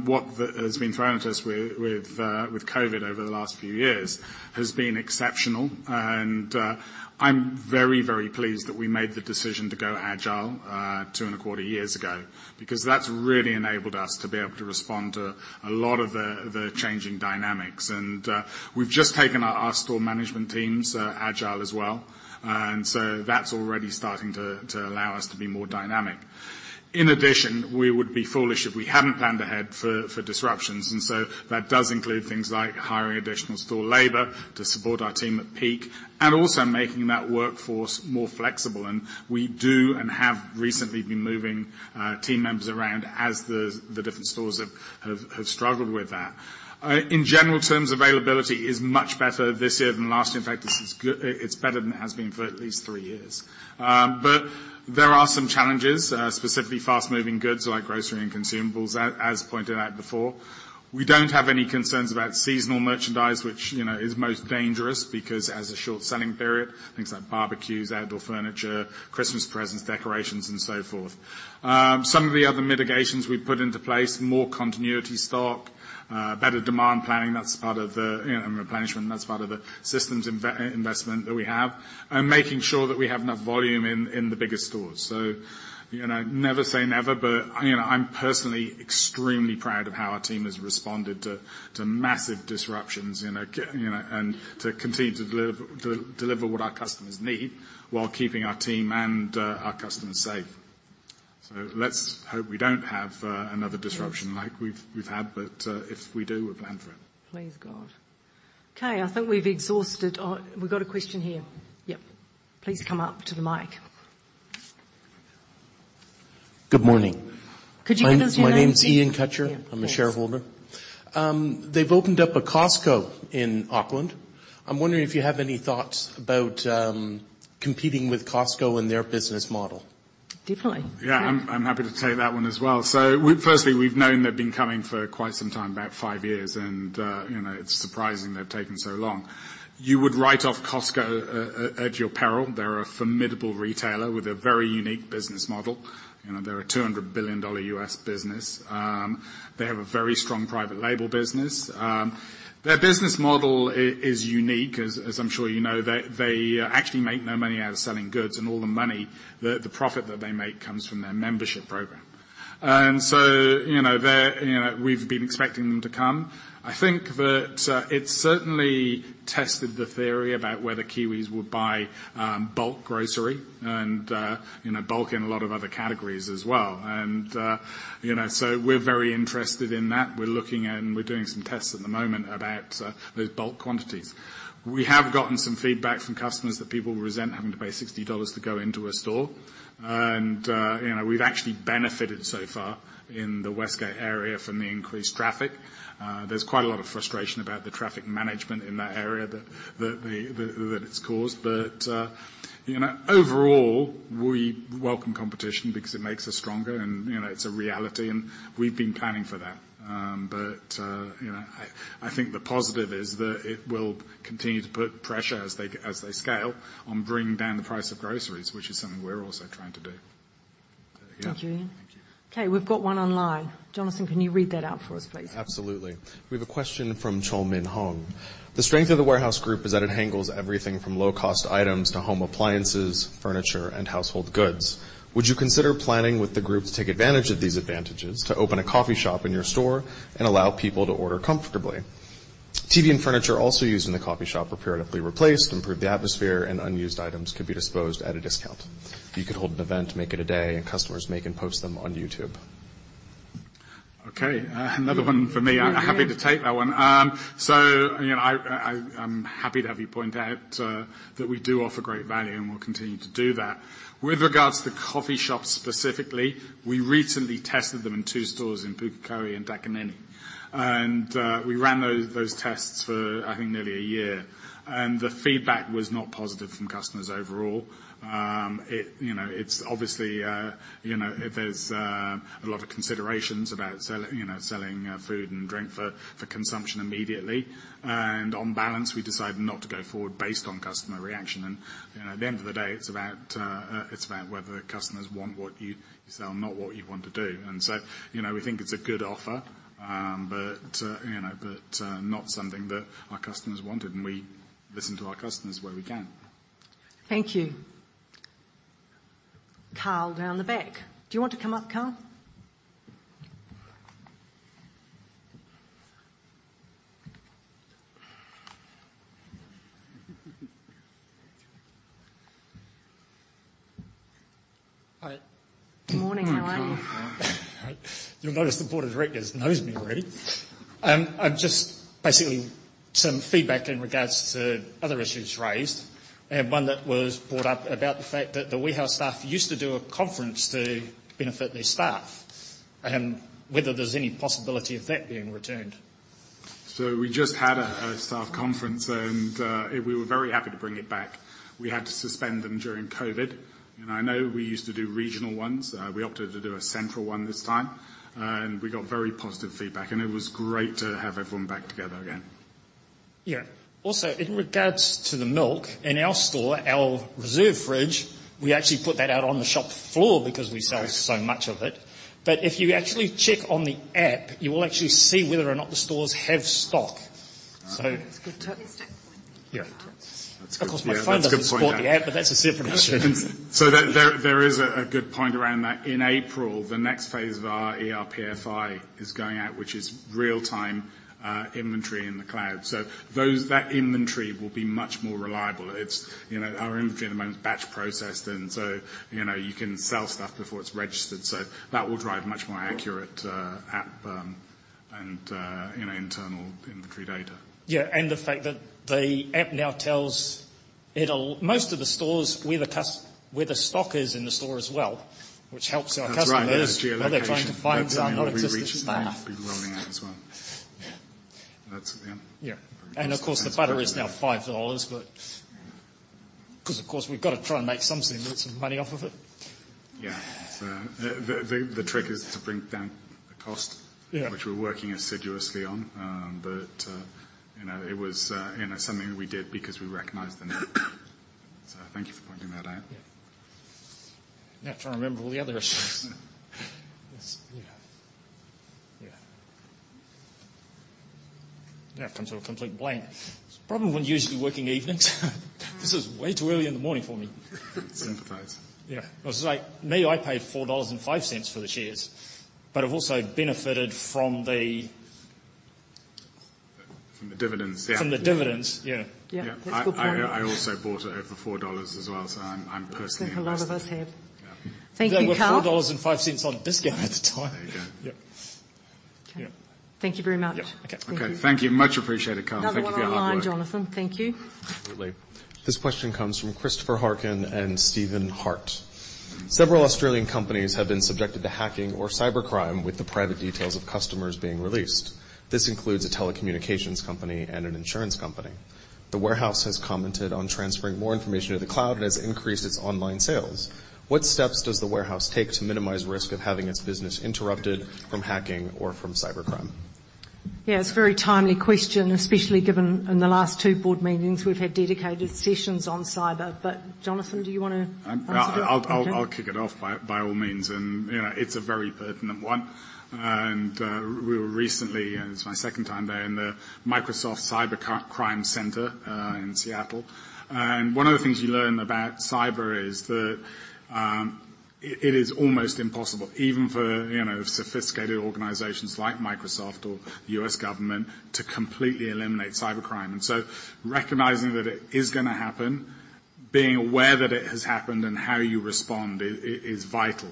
what has been thrown at us with COVID over the last few years has been exceptional. I'm very, very pleased that we made the decision to go agile 2 and a quarter years ago because that's really enabled us to be able to respond to a lot of the changing dynamics. We've just taken our store management teams agile as well. That's already starting to allow us to be more dynamic. In addition, we would be foolish if we hadn't planned ahead for disruptions. That does include things like hiring additional store labor to support our team at peak and also making that workforce more flexible, and we do and have recently been moving team members around as the different stores have struggled with that. In general terms, availability is much better this year than last. In fact, this is it's better than it has been for at least three years. There are some challenges, specifically fast-moving goods like grocery and consumables, as pointed out before. We don't have any concerns about seasonal merchandise, which, you know, is most dangerous because it has a short selling period. Things like barbecues, outdoor furniture, Christmas presents, decorations, and so forth. Some of the other mitigations we've put into place, more continuity stock, better demand planning. That's part of the, you know, and replenishment, that's part of the systems investment that we have. Making sure that we have enough volume in the bigger stores. You know, never say never, but, you know, I'm personally extremely proud of how our team has responded to massive disruptions, you know, you know, and to continue to deliver what our customers need while keeping our team and our customers safe. Let's hope we don't have another disruption. Yes. like we've had, but if we do, we've planned for it. Please, God. Okay, I think we've exhausted. We've got a question here. Yep. Please come up to the mic. Good morning. Could you give us your name, please? My name's Ian Cutcher. Yeah, thanks. I'm a shareholder. They've opened up a Costco in Auckland. I'm wondering if you have any thoughts about competing with Costco and their business model. Definitely. Yeah. I'm happy to take that one as well. Firstly, we've known they've been coming for quite some time, about five years, and, you know, it's surprising they've taken so long. You would write off Costco at your peril. They're a formidable retailer with a very unique business model. You know, they're a $200 billion US business. They have a very strong private label business. Their business model is unique. As, as I'm sure you know, they, actually make no money out of selling goods and all the money, the profit that they make comes from their membership program. You know, they're, you know, we've been expecting them to come. I think that it certainly tested the theory about whether Kiwis would buy bulk grocery and, you know, bulk in a lot of other categories as well. You know, so we're very interested in that. We're looking and we're doing some tests at the moment about those bulk quantities. We have gotten some feedback from customers that people resent having to pay 60 dollars to go into a store. You know, we've actually benefited so far in the Westgate area from the increased traffic. There's quite a lot of frustration about the traffic management in that area that it's caused, you know, overall, we welcome competition because it makes us stronger and, you know, it's a reality, and we've been planning for that. You know, I think the positive is that it will continue to put pressure as they scale on bringing down the price of groceries, which is something we're also trying to do. Thank you, Ian. Thank you. Okay, we've got one online. Jonathan, can you read that out for us, please? Absolutely. We have a question from Cheol-min Hong. The strength of The Warehouse Group is that it handles everything from low-cost items to home appliances, furniture, and household goods. Would you consider planning with the group to take advantage of these advantages to open a coffee shop in your store and allow people to order comfortably? TV and furniture also used in the coffee shop are periodically replaced, improve the atmosphere, and unused items could be disposed at a discount. You could hold an event, make it a day, customers make and post them on YouTube. Okay. Another one for me. For you, Ian. I'm happy to take that one. You know, I'm happy to have you point out that we do offer great value, and we'll continue to do that. With regards to coffee shops specifically, we recently tested them in two stores in Pukekohe and Takanini. We ran those tests for, I think, nearly one year, and the feedback was not positive from customers overall. It, you know, it's obviously, you know, there's a lot of considerations about selling food and drink for consumption immediately. On balance, we decided not to go forward based on customer reaction. You know, at the end of the day, it's about, it's about whether customers want what you sell, not what you want to do. You know, we think it's a good offer, but, you know, but, not something that our customers wanted, and we listen to our customers where we can. Thank you. Carl down the back. Do you want to come up, Carl? Hi. Good morning. How are you? All right. You'll notice the board of directors knows me already. I've just basically some feedback in regards to other issues raised. I have one that was brought up about the fact that The Warehouse staff used to do a conference to benefit their staff and whether there's any possibility of that being returned? We just had a staff conference, and we were very happy to bring it back. We had to suspend them during COVID. I know we used to do regional ones. We opted to do a central one this time, and we got very positive feedback, and it was great to have everyone back together again. Yeah. Also, in regards to the milk, in our store, our reserve fridge, we actually put that out on the shop floor because we sell so much of it. If you actually check on the app, you will actually see whether or not the stores have stock. That's a good tip. Yeah. That's good. Yeah, that's a good point, yeah. Of course, my phone doesn't support the app, but that's a separate issue. There is a good point around that. In April, the next phase of our ERP FI is going out, which is real-time, inventory in the cloud. That inventory will be much more reliable. It's, you know, our inventory at the moment is batch processed, you know, you can sell stuff before it's registered. That will drive much more accurate, app, and, you know, internal inventory data. Yeah. The fact that the app now tells Most of the stores where the stock is in the store as well, which helps our customers. That's right. Yeah, it's geolocation. when they're trying to find, you know, non-existent staff. That's a new feature we'll be rolling out as well. Yeah. That's, yeah. Yeah. Very cool. Of course, the butter is now 5 dollars 'cause of course we've got to try and make some money off of it. Yeah. the trick is to bring down the cost Yeah which we're working assiduously on. you know, it was, you know, something that we did because we recognized the need. Thank you for pointing that out. Yeah. Now trying to remember all the other issues. Yes. Yeah. Yeah. Now I've come to a complete blank. It's the problem when you're used to working evenings. This is way too early in the morning for me. Sympathize. Yeah. It was like, me, I paid 4.05 dollars for the shares, but I've also benefited from the... From the dividends. Yeah. From the dividends. Yeah. Yeah. That's a good point. I also bought it over 4 dollars as well, so I'm personally invested. I think a lot of us have. Yeah. Thank you, Carl. They were 4.05 dollars on discount at the time. There you go. Yep. Okay. Yeah. Thank you very much. Yeah. Okay. Okay. Thank you. Much appreciated, Carl. Thank you for your hard work. Another one online, Jonathan. Thank you. Absolutely. This question comes from Christopher Harkin and Steven Hart. Several Australian companies have been subjected to hacking or cybercrime, with the private details of customers being released. This includes a telecommunications company and an insurance company. The Warehouse has commented on transferring more information to the cloud and has increased its online sales. What steps does The Warehouse take to minimize risk of having its business interrupted from hacking or from cybercrime? Yeah, it's a very timely question, especially given in the last two Board meetings, we've had dedicated sessions on cyber. Jonathan, do you wanna answer? I'll kick it off by all means. You know, it's a very pertinent one. We were recently, it's my second time there, in the Microsoft Cybercrime Center, in Seattle. One of the things you learn about cyber is that it is almost impossible, even for, you know, sophisticated organizations like Microsoft or the U.S. government to completely eliminate cybercrime. Recognizing that it is gonna happen, being aware that it has happened and how you respond is vital.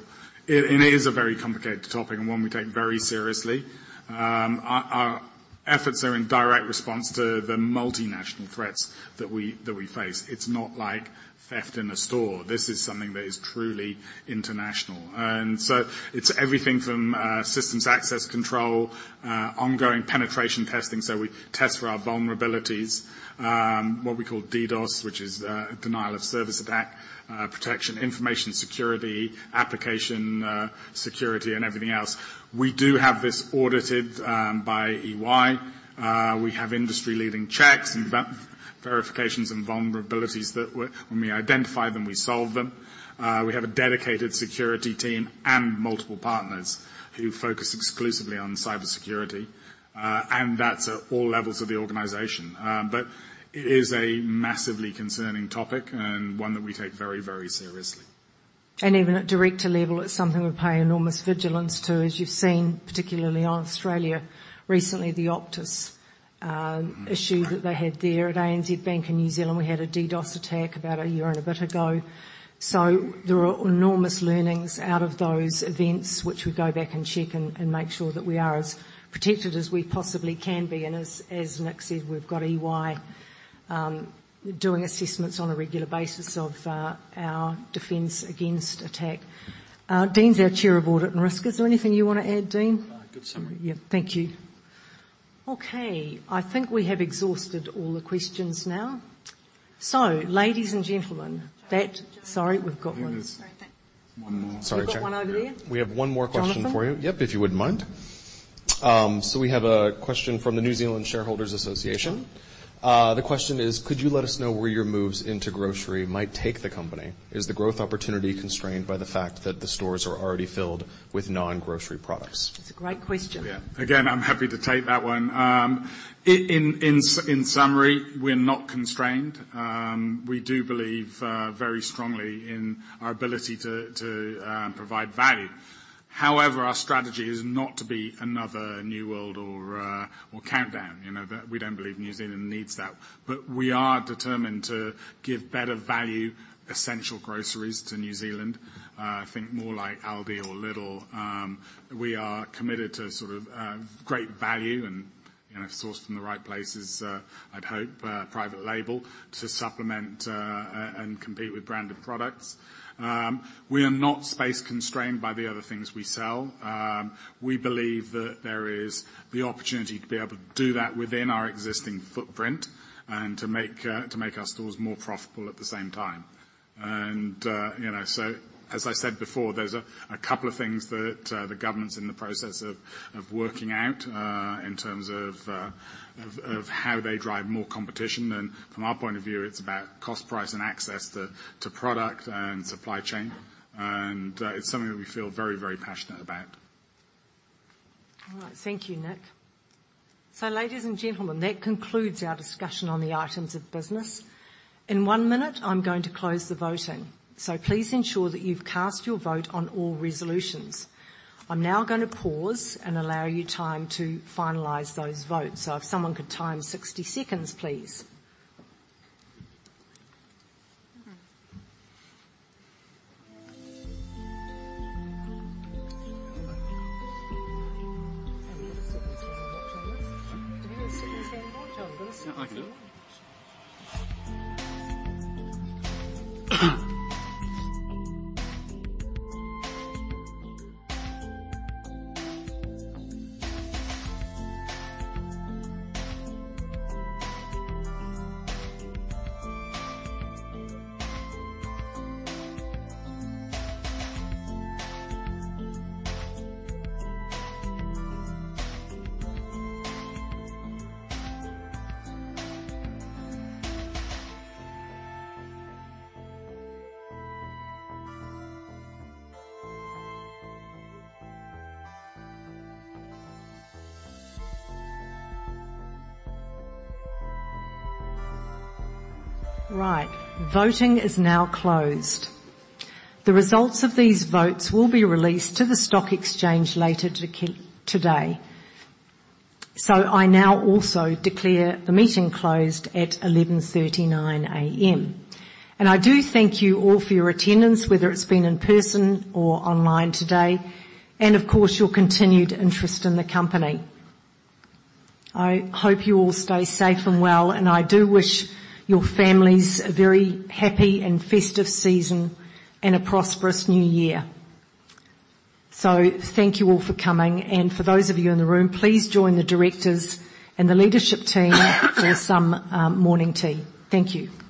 It is a very complicated topic and one we take very seriously. Our efforts are in direct response to the multinational threats that we face. It's not like theft in a store. This is something that is truly international. It's everything from systems access control, ongoing penetration testing. We test for our vulnerabilities, what we call DDoS, which is denial of service attack, protection, information security, application, security and everything else. We do have this audited by EY. We have industry-leading checks and verifications and vulnerabilities that when we identify them, we solve them. We have a dedicated security team and multiple partners who focus exclusively on cybersecurity, and that's at all levels of the organization. It is a massively concerning topic and one that we take very, very seriously. Even at director level, it's something we pay enormous vigilance to, as you've seen, particularly Australia. Recently, the Optus issue that they had there. At ANZ Bank in New Zealand, we had a DDoS attack about a year and a bit ago. There are enormous learnings out of those events which we go back and check and make sure that we are as protected as we possibly can be. As Nick said, we've got EY doing assessments on a regular basis of our defense against attack. Dean's our Chair of Audit and Risk. Is there anything you want to add, Dean? No. Good summary. Yeah. Thank you. Okay, I think we have exhausted all the questions now. Ladies and gentlemen, that, Sorry, we've got one. I think there's one more. Sorry. You've got one over there. We have one more question for you. Jonathan. Yep, if you wouldn't mind. We have a question from the New Zealand Shareholders' Association. This one. The question is: Could you let us know where your moves into grocery might take the company? Is the growth opportunity constrained by the fact that the stores are already filled with non-grocery products? That's a great question. Yeah. Again, I'm happy to take that one. In summary, we're not constrained. We do believe very strongly in our ability to provide value. However, our strategy is not to be another New World or Countdown. You know, we don't believe New Zealand needs that. We are determined to give better value essential groceries to New Zealand, think more like Aldi or Lidl. We are committed to sort of great value. You know, sourced from the right places, I'd hope, private label to supplement and compete with branded products. We are not space constrained by the other things we sell. We believe that there is the opportunity to be able to do that within our existing footprint and to make our stores more profitable at the same time. You know, as I said before, there's a couple of things that the government's in the process of working out in terms of how they drive more competition. From our point of view, it's about cost price and access to product and supply chain. It's something that we feel very, very passionate about. Ladies and gentlemen, that concludes our discussion on the items of business. In 1 minute, I'm going to close the voting, please ensure that you've cast your vote on all resolutions. I'm now gonna pause and allow you time to finalize those votes. If someone could time 60 seconds, please. Right. Voting is now closed. The results of these votes will be released to the stock exchange later today. I now also declare the meeting closed at 11:39 A.M. I do thank you all for your attendance, whether it's been in person or online today, and of course, your continued interest in the company. I hope you all stay safe and well, and I do wish your families a very happy and festive season and a prosperous new year. Thank you all for coming. For those of you in the room, please join the directors and the leadership team for some morning tea. Thank you.